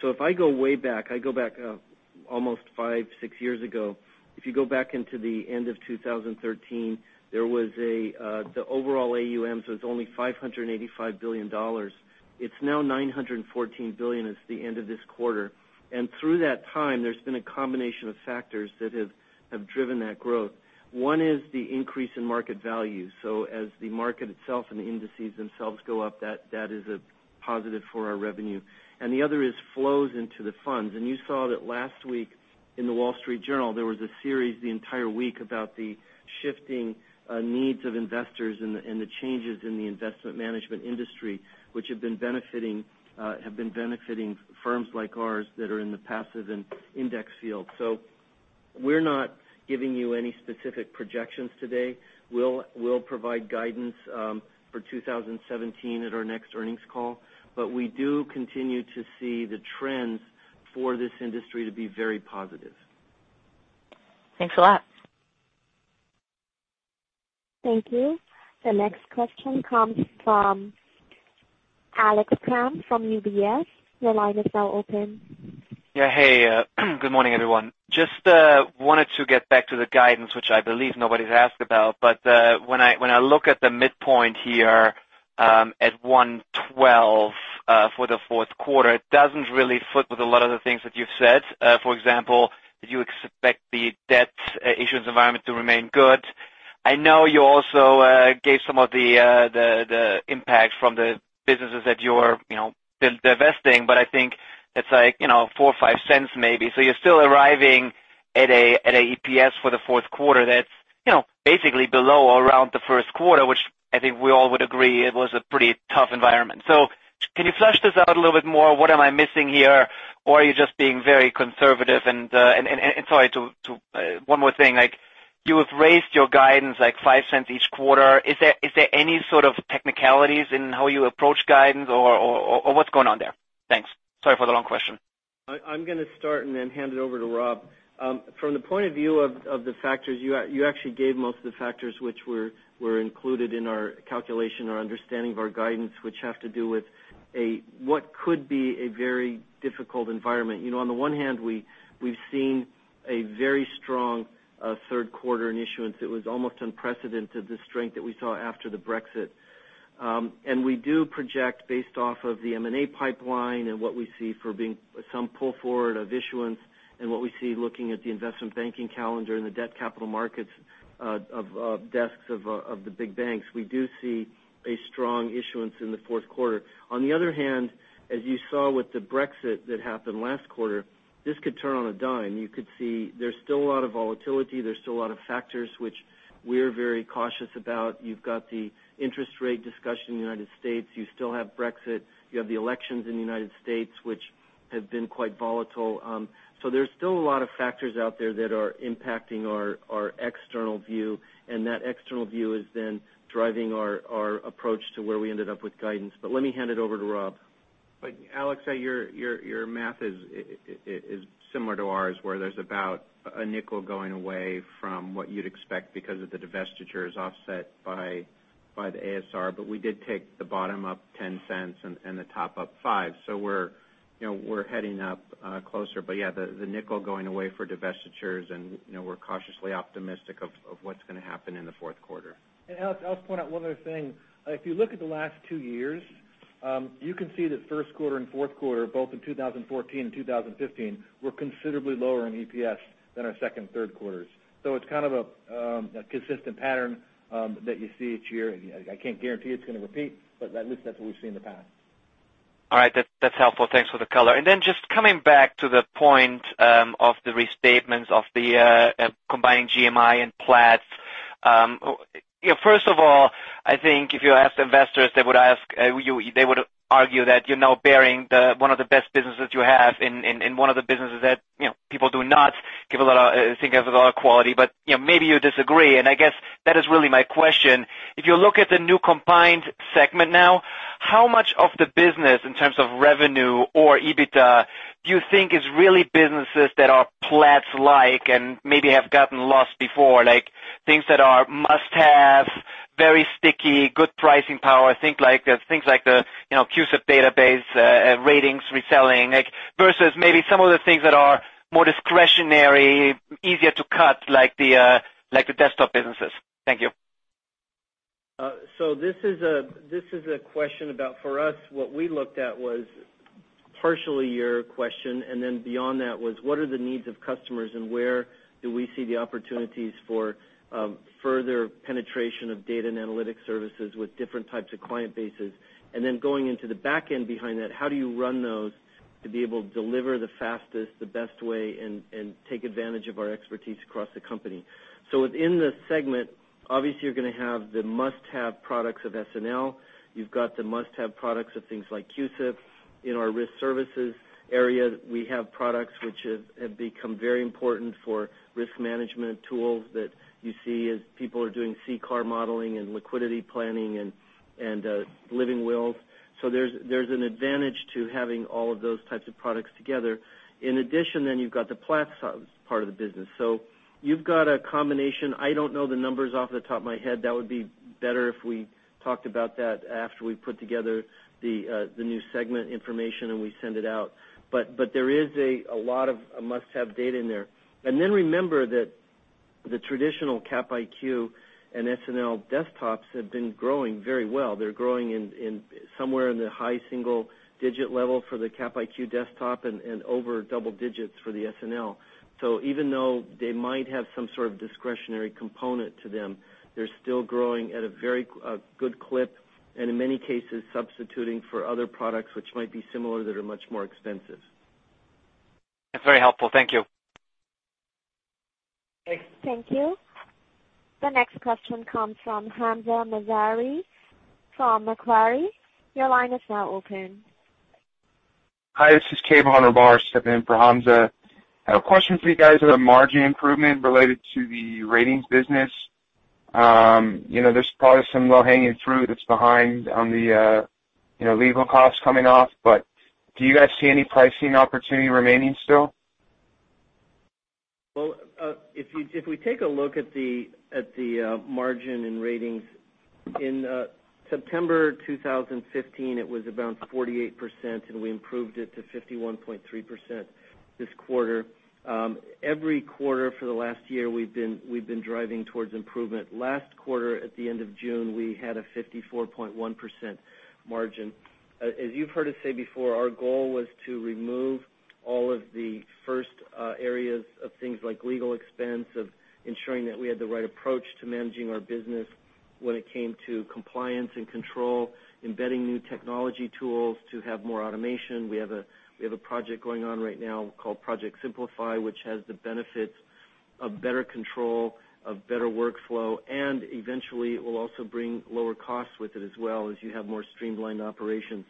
If I go way back, I go back almost five, six years ago. If you go back into the end of 2013, the overall AUMs was only $585 billion. It's now $914 billion as the end of this quarter. And through that time, there's been a combination of factors that have driven that growth. One is the increase in market value. As the market itself and the indices themselves go up, that is a positive for our revenue. The other is flows into the funds. You saw that last week in The Wall Street Journal, there was a series the entire week about the shifting needs of investors and the changes in the investment management industry, which have been benefiting firms like ours that are in the passive and index field. We're not giving you any specific projections today. We'll provide guidance for 2017 at our next earnings call, we do continue to see the trends for this industry to be very positive. Thanks a lot. Thank you. The next question comes from Alex Kramm from UBS. Your line is now open. Yeah. Hey, good morning, everyone. Just wanted to get back to the guidance, which I believe nobody's asked about. When I look at the midpoint here at $1.12 for the fourth quarter, it doesn't really fit with a lot of the things that you've said. For example, you expect the debt issuance environment to remain good. I know you also gave some of the impact from the businesses that you're divesting, but I think it's like $0.04 or $0.05 maybe. You're still arriving at a EPS for the fourth quarter that's basically below or around the first quarter, which I think we all would agree it was a pretty tough environment. Can you flesh this out a little bit more? What am I missing here? Are you just being very conservative? Sorry, one more thing, you have raised your guidance like $0.05 each quarter. Is there any sort of technicalities in how you approach guidance, or what's going on there? Thanks. Sorry for the long question. I'm going to start and then hand it over to Rob. From the point of view of the factors, you actually gave most of the factors which were included in our calculation or understanding of our guidance, which have to do with what could be a very difficult environment. On the one hand, we've seen a very strong third quarter in issuance. It was almost unprecedented, the strength that we saw after the Brexit. We do project based off of the M&A pipeline and what we see for being some pull forward of issuance and what we see looking at the investment banking calendar and the debt capital markets of desks of the big banks. We do see a strong issuance in the fourth quarter. On the other hand, as you saw with the Brexit that happened last quarter, this could turn on a dime. You could see there's still a lot of volatility. There's still a lot of factors, which we're very cautious about. You've got the interest rate discussion in the United States. You still have Brexit. You have the elections in the United States, which have been quite volatile. There's still a lot of factors out there that are impacting our external view, and that external view is then driving our approach to where we ended up with guidance. Let me hand it over to Rob. Alex Kramm, your math is similar to ours, where there's about a $0.05 going away from what you'd expect because of the divestitures offset by the ASR. We did take the bottom up $0.10 and the top up $0.05. We're heading up closer. Yeah, the $0.05 going away for divestitures, and we're cautiously optimistic of what's going to happen in the fourth quarter. Alex Kramm, I'll point out one other thing. If you look at the last two years, you can see that first quarter and fourth quarter, both in 2014 and 2015, were considerably lower in EPS than our second and third quarters. It's kind of a consistent pattern that you see each year. I can't guarantee it's going to repeat, at least that's what we've seen in the past. All right. That's helpful. Thanks for the color. Just coming back to the point of the restatements of the combining GMI and Platts. First of all, I think if you ask investors, they would argue that you're now bearing one of the best businesses you have and one of the businesses that people do not think of a lot of quality, maybe you disagree, I guess that is really my question. If you look at the new combined segment now, how much of the business in terms of revenue or EBITDA do you think is really businesses that are Platts-like and maybe have gotten lost before? Like things that are must-have, very sticky, good pricing power. Think things like the CUSIP database, ratings, reselling, versus maybe some of the things that are more discretionary, easier to cut, like the desktop businesses. Thank you. This is a question about, for us, what we looked at was partially your question, beyond that was what are the needs of customers and where do we see the opportunities for further penetration of data and analytic services with different types of client bases? Going into the back end behind that, how do you run those to be able to deliver the fastest, the best way and take advantage of our expertise across the company? Within the segment, obviously, you're going to have the must-have products of SNL. You've got the must-have products of things like CUSIP. In our risk services area, we have products which have become very important for risk management tools that you see as people are doing CCAR modeling and liquidity planning and living wills. There's an advantage to having all of those types of products together. You've got the Platts part of the business. You've got a combination. I don't know the numbers off the top of my head. That would be better if we talked about that after we put together the new segment information and we send it out. There is a lot of must-have data in there. Remember that the traditional Cap IQ and SNL desktops have been growing very well. They're growing somewhere in the high single-digit level for the Cap IQ desktop and over double digits for the SNL. Even though they might have some sort of discretionary component to them, they're still growing at a very good clip, and in many cases, substituting for other products which might be similar that are much more expensive. That's very helpful. Thank you. Thanks. Thank you. The next question comes from Hamzah Mazari from Macquarie. Your line is now open. Hi, this is Kahan Rabar stepping in for Hamzah. I have a question for you guys on the margin improvement related to the ratings business. There's probably some low-hanging fruit that's behind on the legal costs coming off, do you guys see any pricing opportunity remaining still? Well, if we take a look at the margin in Ratings. In September 2015, it was about 48%, and we improved it to 51.3% this quarter. Every quarter for the last year, we've been driving towards improvement. Last quarter, at the end of June, we had a 54.1% margin. As you've heard us say before, our goal was to remove all of the first areas of things like legal expense, of ensuring that we had the right approach to managing our business when it came to compliance and control, embedding new technology tools to have more automation. We have a project going on right now called Project Simplify, which has the benefit of better control, of better workflow, and eventually, it will also bring lower costs with it as well as you have more streamlined operations.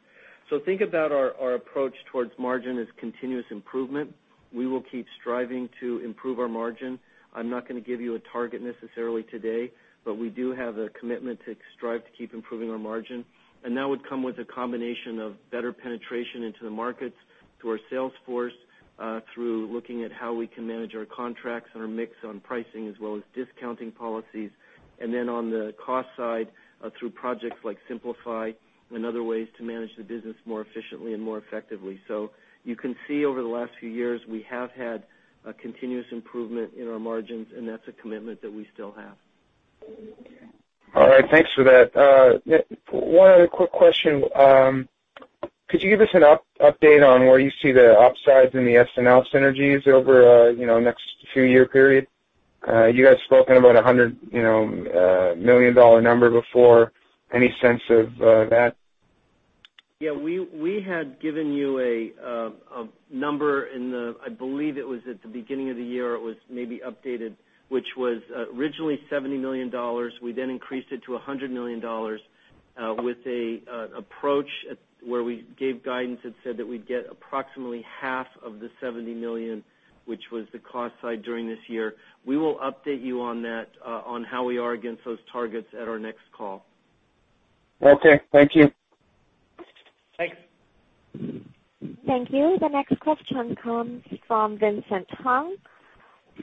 Think about our approach towards margin as continuous improvement. We will keep striving to improve our margin. I'm not going to give you a target necessarily today, but we do have a commitment to strive to keep improving our margin. That would come with a combination of better penetration into the markets, through our sales force, through looking at how we can manage our contracts and our mix on pricing as well as discounting policies. Then on the cost side, through projects like Simplify and other ways to manage the business more efficiently and more effectively. You can see over the last few years, we have had a continuous improvement in our margins, and that's a commitment that we still have. All right. Thanks for that. One other quick question. Could you give us an update on where you see the upsides in the SNL synergies over next few year period? You guys spoken about a $100 million number before. Any sense of that? Yeah. We had given you a number in the, I believe it was at the beginning of the year, it was maybe updated, which was originally $70 million. We increased it to $100 million, with an approach where we gave guidance that said that we'd get approximately half of the $70 million, which was the cost side during this year. We will update you on that, on how we are against those targets at our next call. Okay. Thank you. Thanks. Thank you. The next question comes from Vincent Hung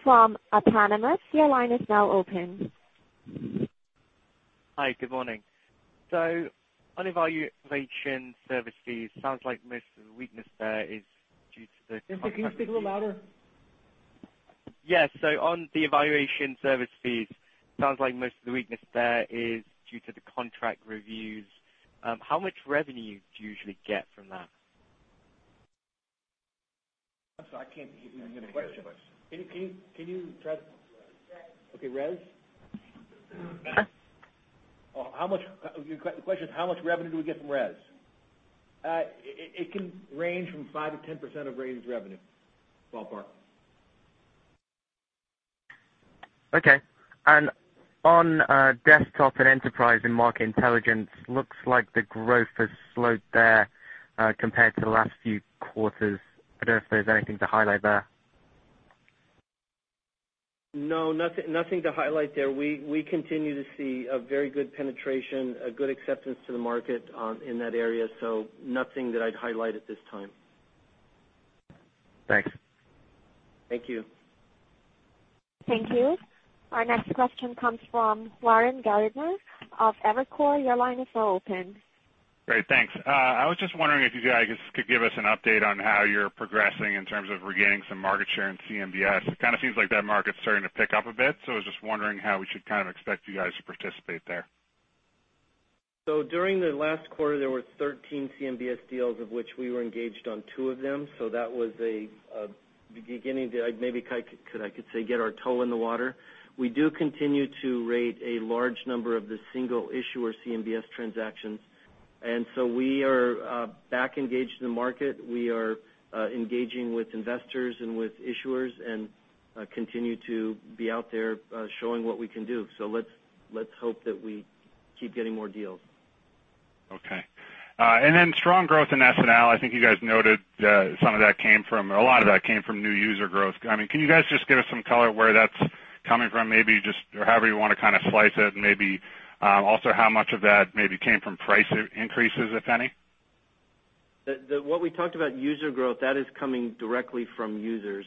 from Autonomous. Your line is now open. Hi, good morning. On evaluation service fees, sounds like most of the weakness there is due to the. Vincent, can you speak a little louder? Yes. On the evaluation service fees, sounds like most of the weakness there is due to the contract reviews. How much revenue do you usually get from that? I'm sorry, I can't hear you. Can you repeat the question? Can you try. Okay, RES? Huh? Oh, the question is how much revenue do we get from RES? It can range from 5%-10% of ratings revenue. Ballpark. Okay. On desktop and enterprise in Market Intelligence, looks like the growth has slowed there, compared to the last few quarters. I don't know if there's anything to highlight there. No, nothing to highlight there. We continue to see a very good penetration, a good acceptance to the market in that area. Nothing that I'd highlight at this time. Thanks. Thank you. Thank you. Our next question comes from [Lauren Gardner] of Evercore. Your line is now open. Great. Thanks. I was just wondering if you guys could give us an update on how you're progressing in terms of regaining some market share in CMBS. It kind of seems like that market's starting to pick up a bit. I was just wondering how we should kind of expect you guys to participate there. During the last quarter, there were 13 CMBS deals of which we were engaged on two of them. That was a beginning to, maybe I could say, get our toe in the water. We do continue to rate a large number of the single issuer CMBS transactions. We are back engaged in the market. We are engaging with investors and with issuers and continue to be out there showing what we can do. Let's hope that we keep getting more deals. Okay. Strong growth in SNL. I think you guys noted a lot of that came from new user growth. Can you guys just give us some color where that's coming from? Maybe however you want to kind of slice it, and maybe also how much of that maybe came from price increases, if any? What we talked about user growth, that is coming directly from users.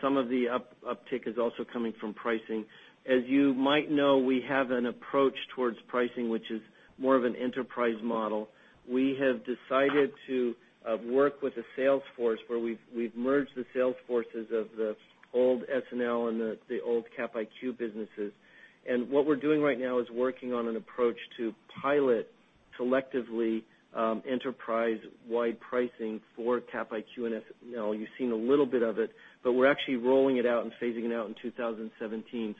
Some of the uptick is also coming from pricing. You might know, we have an approach towards pricing, which is more of an enterprise model. We have decided to work with a sales force where we've merged the sales forces of the old SNL and the old Cap IQ businesses. What we're doing right now is working on an approach to pilot selectively enterprise-wide pricing for Cap IQ and SNL. You've seen a little bit of it, but we're actually rolling it out and phasing it out in 2017.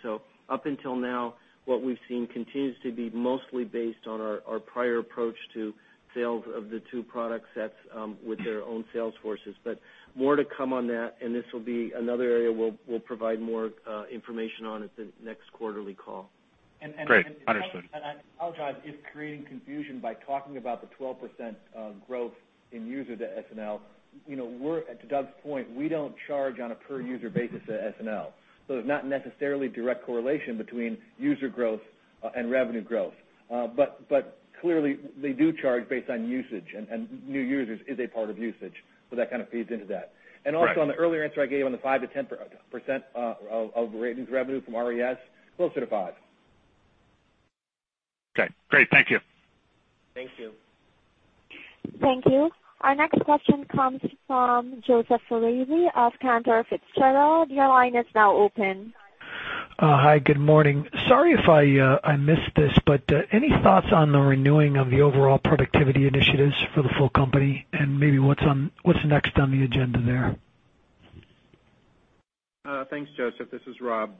Up until now, what we've seen continues to be mostly based on our prior approach to sales of the two product sets with their own sales forces. More to come on that, and this will be another area we'll provide more information on at the next quarterly call. Great. Understood. I'll chime. It's creating confusion by talking about the 12% growth in user to SNL. To Doug's point, we don't charge on a per user basis at SNL, there's not necessarily direct correlation between user growth and revenue growth. Clearly they do charge based on usage, and new users is a part of usage. That kind of feeds into that. Right. Also on the earlier answer I gave on the 5%-10% of ratings revenue from RES, closer to five. Okay, great. Thank you. Thank you. Thank you. Our next question comes from Joseph Foresi of Cantor Fitzgerald. Your line is now open. Hi, good morning. Sorry if I missed this, any thoughts on the renewing of the overall productivity initiatives for the full company and maybe what's next on the agenda there? Thanks, Joseph. This is Rob.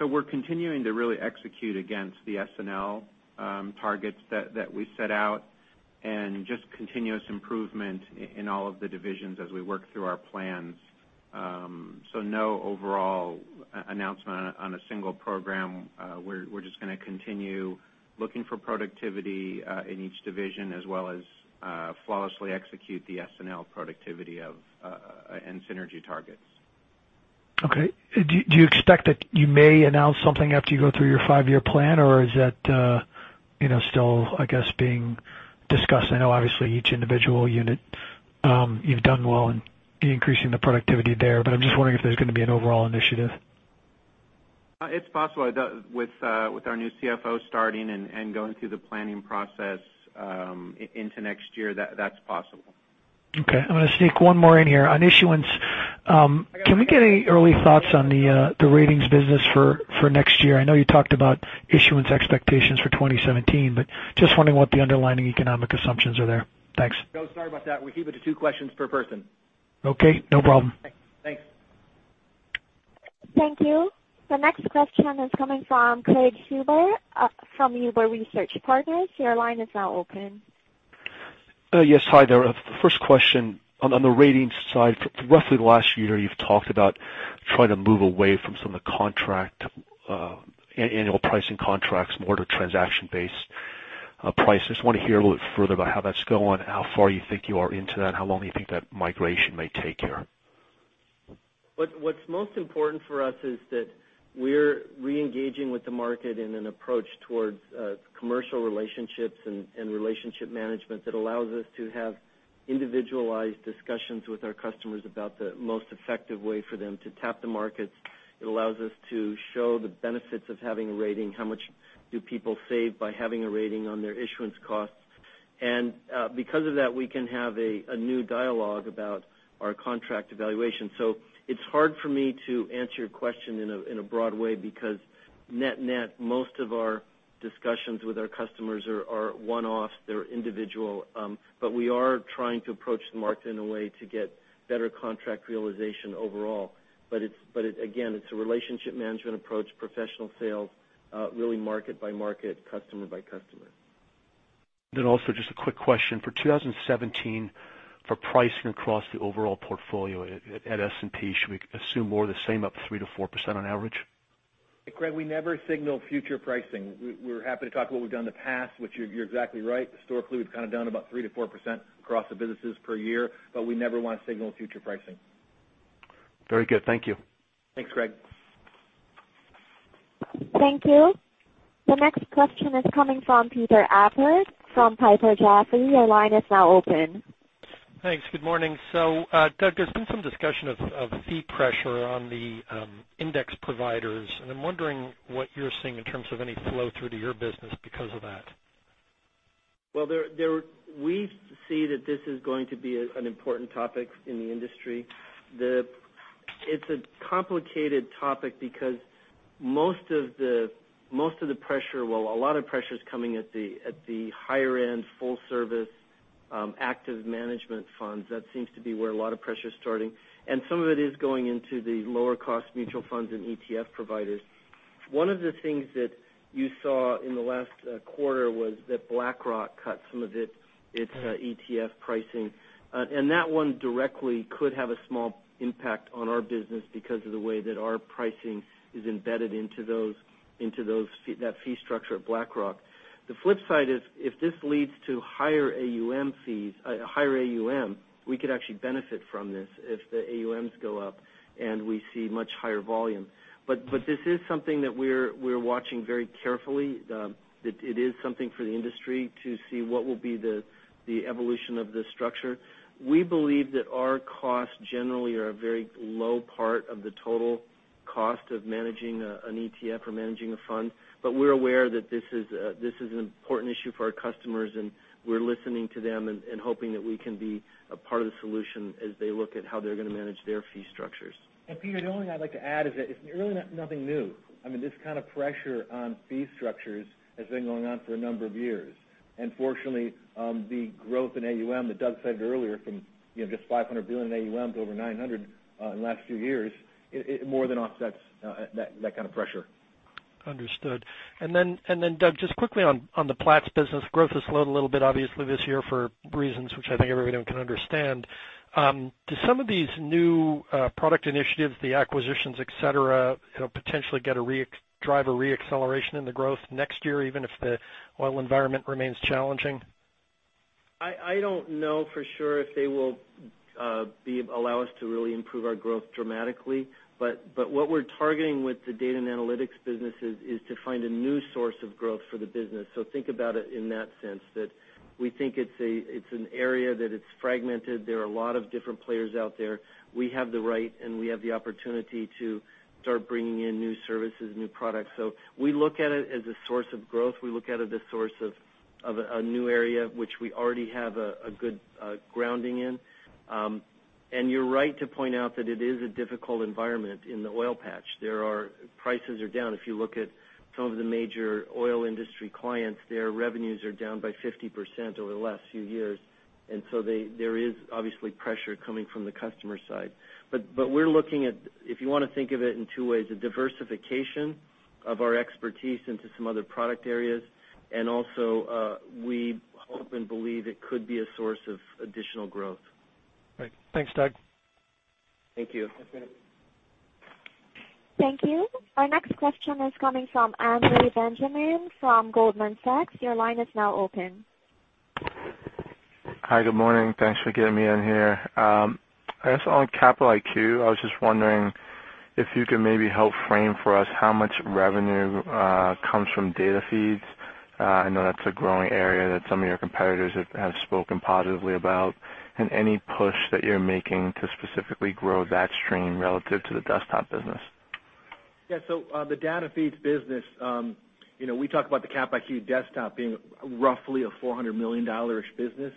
We're continuing to really execute against the SNL targets that we set out and just continuous improvement in all of the divisions as we work through our plans. No overall announcement on a single program. We're just going to continue looking for productivity in each division as well as flawlessly execute the SNL productivity and synergy targets. Okay. Do you expect that you may announce something after you go through your five-year plan, or is that still, I guess, being discussed? I know obviously each individual unit, you've done well in increasing the productivity there, but I'm just wondering if there's going to be an overall initiative. It's possible. With our new CFO starting and going through the planning process into next year, that's possible. Okay. I'm going to sneak one more in here. On issuance, can we get any early thoughts on the Ratings business for next year? I know you talked about issuance expectations for 2017, but just wondering what the underlying economic assumptions are there. Thanks. No, sorry about that. We keep it to two questions per person. Okay, no problem. Thanks. Thank you. The next question is coming from Craig Huber from Huber Research Partners. Your line is now open. Yes. Hi there. First question, on the Ratings side, roughly the last year, you've talked about trying to move away from some of the annual pricing contracts, more to transaction-based prices. Want to hear a little bit further about how that's going, how far you think you are into that, how long you think that migration may take here. What's most important for us is that we're reengaging with the market in an approach towards commercial relationships and relationship management that allows us to have individualized discussions with our customers about the most effective way for them to tap the markets. It allows us to show the benefits of having a rating, how much do people save by having a rating on their issuance costs. Because of that, we can have a new dialogue about our contract evaluation. It's hard for me to answer your question in a broad way, because net-net, most of our discussions with our customers are one-off, they're individual. We are trying to approach the market in a way to get better contract realization overall. Again, it's a relationship management approach, professional sales, really market by market, customer by customer. Also, just a quick question. For 2017, for pricing across the overall portfolio at S&P, should we assume more of the same, up 3%-4% on average? Craig, we never signal future pricing. We're happy to talk about what we've done in the past, which you're exactly right. Historically, we've kind of done about 3%-4% across the businesses per year, we never want to signal future pricing. Very good. Thank you. Thanks, Craig. Thank you. The next question is coming from Peter Appert from Piper Jaffray. Your line is now open. Thanks. Good morning. Doug, there's been some discussion of fee pressure on the index providers. I'm wondering what you're seeing in terms of any flow-through to your business because of that. Well, we see that this is going to be an important topic in the industry. It's a complicated topic because a lot of pressure is coming at the higher-end, full service, active management funds. That seems to be where a lot of pressure is starting. Some of it is going into the lower cost mutual funds and ETF providers. One of the things that you saw in the last quarter was that BlackRock cut some of its ETF pricing. That one directly could have a small impact on our business because of the way that our pricing is embedded into that fee structure at BlackRock. The flip side is, if this leads to higher AUM, we could actually benefit from this if the AUMs go up and we see much higher volume. This is something that we're watching very carefully. It is something for the industry to see what will be the evolution of this structure. We believe that our costs generally are a very low part of the total cost of managing an ETF or managing a fund. We're aware that this is an important issue for our customers, and we're listening to them and hoping that we can be a part of the solution as they look at how they're going to manage their fee structures. Peter Appert, the only thing I'd like to add is that it's really nothing new. This kind of pressure on fee structures has been going on for a number of years. Fortunately, the growth in AUM that Doug Peterson said earlier from just $500 billion in AUM to over $900 billion in the last few years, it more than offsets that kind of pressure. Understood. Doug Peterson, just quickly on the Platts business. Growth has slowed a little bit, obviously, this year for reasons which I think everyone can understand. Do some of these new product initiatives, the acquisitions, et cetera, potentially drive a re-acceleration in the growth next year, even if the oil environment remains challenging? I don't know for sure if they will allow us to really improve our growth dramatically. What we're targeting with the data and analytics businesses is to find a new source of growth for the business. Think about it in that sense, that we think it's an area that it's fragmented. There are a lot of different players out there. We have the right and we have the opportunity to start bringing in new services, new products. We look at it as a source of growth. We look at it as a source of a new area which we already have a good grounding in. You're right to point out that it is a difficult environment in the oil patch. Prices are down. If you look at some of the major oil industry clients, their revenues are down by 50% over the last few years. There is obviously pressure coming from the customer side. We're looking at, if you want to think of it in two ways, a diversification of our expertise into some other product areas. Also, we hope and believe it could be a source of additional growth. Great. Thanks, Doug. Thank you. Thanks, Peter. Thank you. Our next question is coming from Andre Benjamin from Goldman Sachs. Your line is now open. Hi, good morning. Thanks for getting me in here. I guess on Capital IQ, I was just wondering if you could maybe help frame for us how much revenue comes from data feeds. I know that's a growing area that some of your competitors have spoken positively about. Any push that you're making to specifically grow that stream relative to the desktop business. Yeah. The data feeds business, we talk about the Cap IQ desktop being roughly a $400 million-ish business,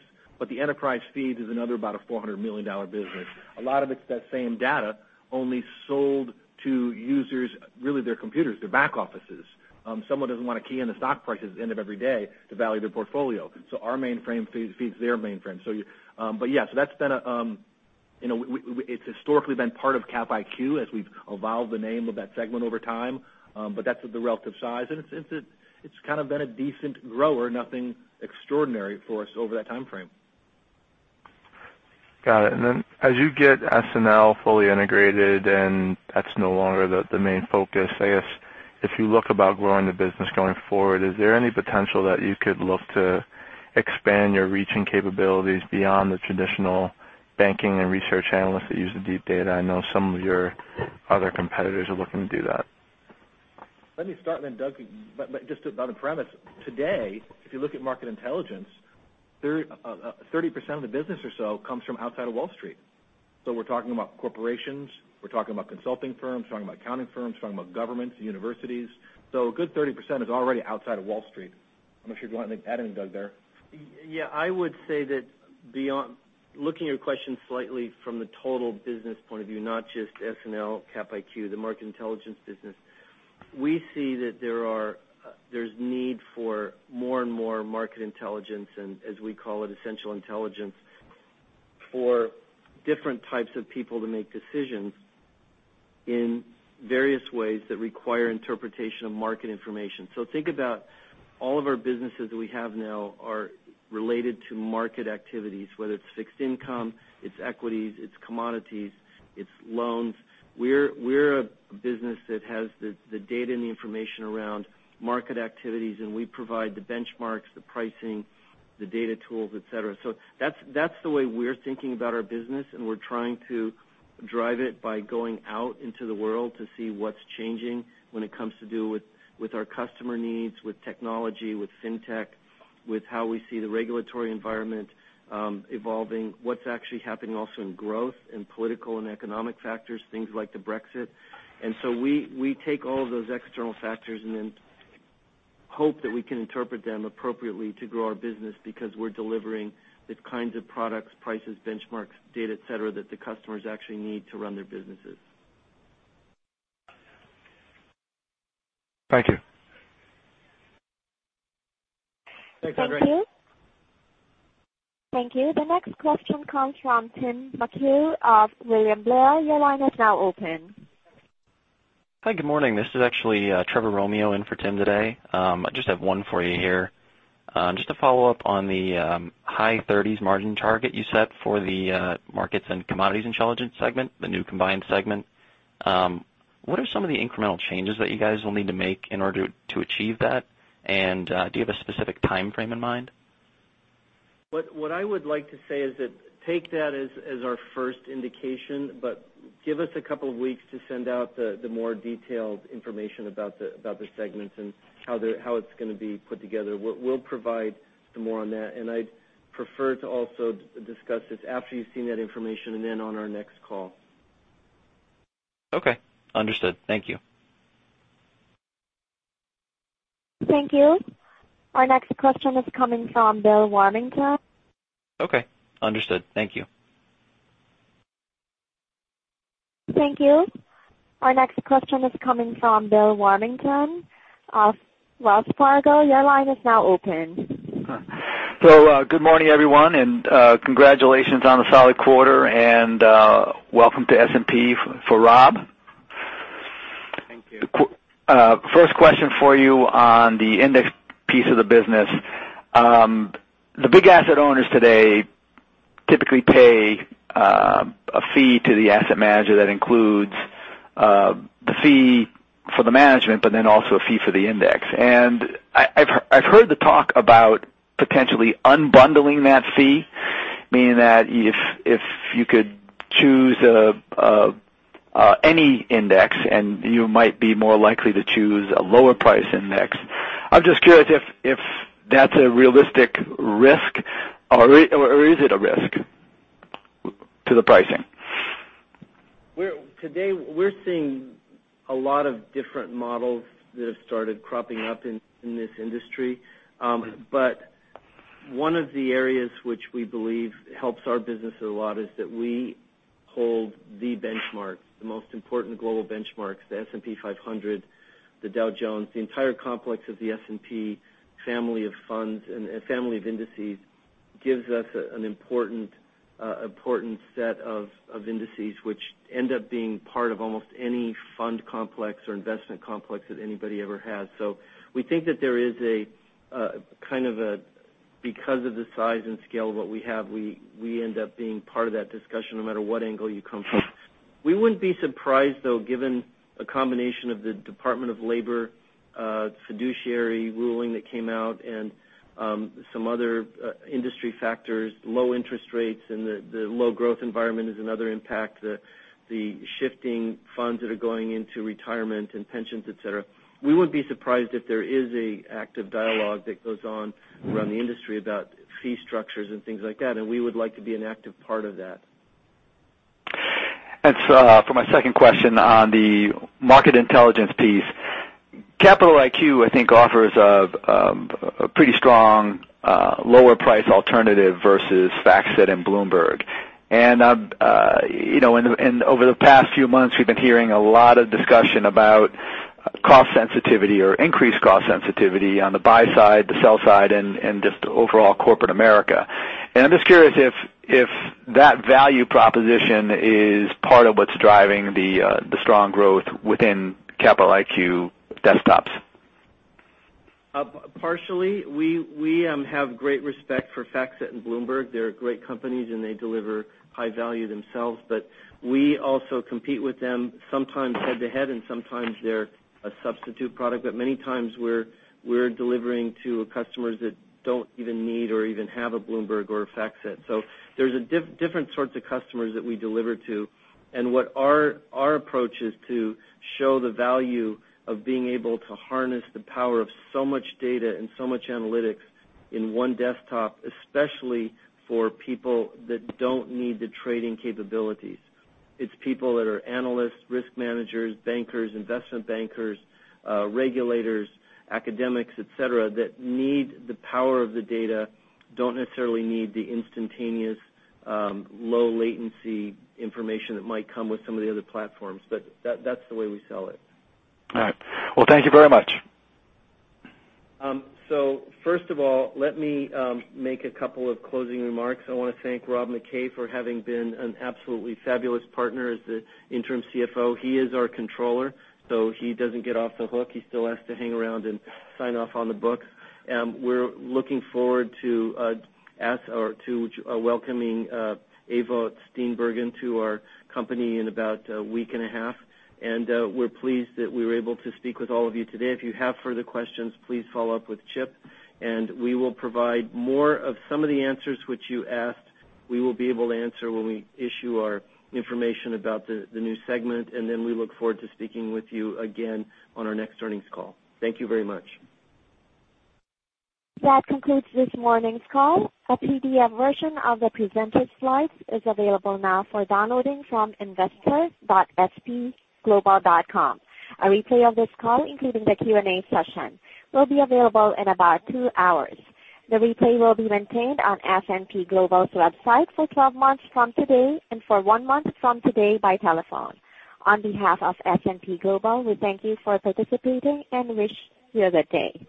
the enterprise feeds is another about a $400 million business. A lot of it's that same data, only sold to users, really, their computers, their back offices. Someone doesn't want to key in the stock prices at the end of every day to value their portfolio. Our mainframe feeds their mainframe. Yeah. It's historically been part of Cap IQ as we've evolved the name of that segment over time. That's the relative size, and it's been a decent grower, nothing extraordinary for us over that timeframe. Got it. Then as you get SNL fully integrated and that's no longer the main focus, I guess if you look about growing the business going forward, is there any potential that you could look to expand your reach and capabilities beyond the traditional banking and research analysts that use the deep data? I know some of your other competitors are looking to do that. Let me start then, Doug, but just on the premise. Today, if you look at Market Intelligence, 30% of the business or so comes from outside of Wall Street. We're talking about corporations, we're talking about consulting firms, talking about accounting firms, talking about governments, universities. A good 30% is already outside of Wall Street. I'm not sure if you want to add anything, Doug, there. Yeah. I would say that looking at your question slightly from the total business point of view, not just SNL, Cap IQ, the Market Intelligence business, we see that there's need for more and more market intelligence and, as we call it, essential intelligence for different types of people to make decisions in various ways that require interpretation of market information. Think about all of our businesses that we have now are related to market activities, whether it's fixed income, it's equities, it's commodities, it's loans. We're a business that has the data and the information around market activities, and we provide the benchmarks, the pricing, the data tools, et cetera. That's the way we're thinking about our business, and we're trying to drive it by going out into the world to see what's changing when it comes to do with our customer needs, with technology, with fintech, with how we see the regulatory environment evolving, what's actually happening also in growth and political and economic factors, things like the Brexit. We take all of those external factors and then hope that we can interpret them appropriately to grow our business because we're delivering the kinds of products, prices, benchmarks, data, et cetera, that the customers actually need to run their businesses. Thank you. Thanks, Andre. Thank you. Thank you. The next question comes from Tim McHugh of William Blair. Your line is now open. Hi. Good morning. This is actually Trevor Romeo in for Tim today. I just have one for you here. Just to follow up on the high 30s margin target you set for the Market and Commodities Intelligence segment, the new combined segment. What are some of the incremental changes that you guys will need to make in order to achieve that? Do you have a specific timeframe in mind? What I would like to say is that take that as our first indication, but give us a couple of weeks to send out the more detailed information about the segments and how it's going to be put together. We'll provide some more on that, I'd prefer to also discuss this after you've seen that information on our next call. Okay. Understood. Thank you. Thank you. Our next question is coming from Bill Warmington. Okay. Understood. Thank you. Thank you. Our next question is coming from Bill Warmington of Wells Fargo. Your line is now open. Good morning, everyone, and congratulations on the solid quarter, and welcome to S&P for Rob. Thank you. First question for you on the index piece of the business. The big asset owners today typically pay a fee to the asset manager that includes the fee for the management, but then also a fee for the index. I've heard the talk about potentially unbundling that fee, meaning that if you could choose any index, you might be more likely to choose a lower price index. I'm just curious if that's a realistic risk, or is it a risk to the pricing? Today, we're seeing a lot of different models that have started cropping up in this industry. One of the areas which we believe helps our business a lot is that we hold the benchmarks, the most important global benchmarks, the S&P 500, the Dow Jones, the entire complex of the S&P family of funds and family of indices gives us an important set of indices which end up being part of almost any fund complex or investment complex that anybody ever has. We think that because of the size and scale of what we have, we end up being part of that discussion no matter what angle you come from. We wouldn't be surprised, though, given a combination of the Department of Labor, fiduciary ruling that came out and some other industry factors, low interest rates, and the low growth environment is another impact. The shifting funds that are going into retirement and pensions, et cetera. We wouldn't be surprised if there is a active dialogue that goes on around the industry about fee structures and things like that, we would like to be an active part of that. For my second question on the Market Intelligence piece, Capital IQ, I think offers a pretty strong lower price alternative versus FactSet and Bloomberg. Over the past few months, we've been hearing a lot of discussion about cost sensitivity or increased cost sensitivity on the buy side, the sell side, and just overall corporate America. I'm just curious if that value proposition is part of what's driving the strong growth within Capital IQ desktops. Partially. We have great respect for FactSet and Bloomberg. They're great companies, and they deliver high value themselves. We also compete with them sometimes head to head, and sometimes they're a substitute product. Many times we're delivering to customers that don't even need or even have a Bloomberg or a FactSet. There's different sorts of customers that we deliver to, and what our approach is to show the value of being able to harness the power of so much data and so much analytics in one desktop, especially for people that don't need the trading capabilities. It's people that are analysts, risk managers, bankers, investment bankers, regulators, academics, et cetera, that need the power of the data, don't necessarily need the instantaneous, low latency information that might come with some of the other platforms. That's the way we sell it. All right. Thank you very much. First of all, let me make a couple of closing remarks. I want to thank Rob MacKay for having been an absolutely fabulous partner as the Interim CFO. He is our controller, so he doesn't get off the hook. He still has to hang around and sign off on the book. We're looking forward to welcoming Ewout Steenbergen to our company in about a week and a half, and we're pleased that we were able to speak with all of you today. If you have further questions, please follow up with Chip, and we will provide more of some of the answers which you asked. We will be able to answer when we issue our information about the new segment, then we look forward to speaking with you again on our next earnings call. Thank you very much. That concludes this morning's call. A PDF version of the presented slides is available now for downloading from investors.spglobal.com. A replay of this call, including the Q&A session, will be available in about two hours. The replay will be maintained on S&P Global's website for 12 months from today and for one month from today by telephone. On behalf of S&P Global, we thank you for participating and wish you a good day.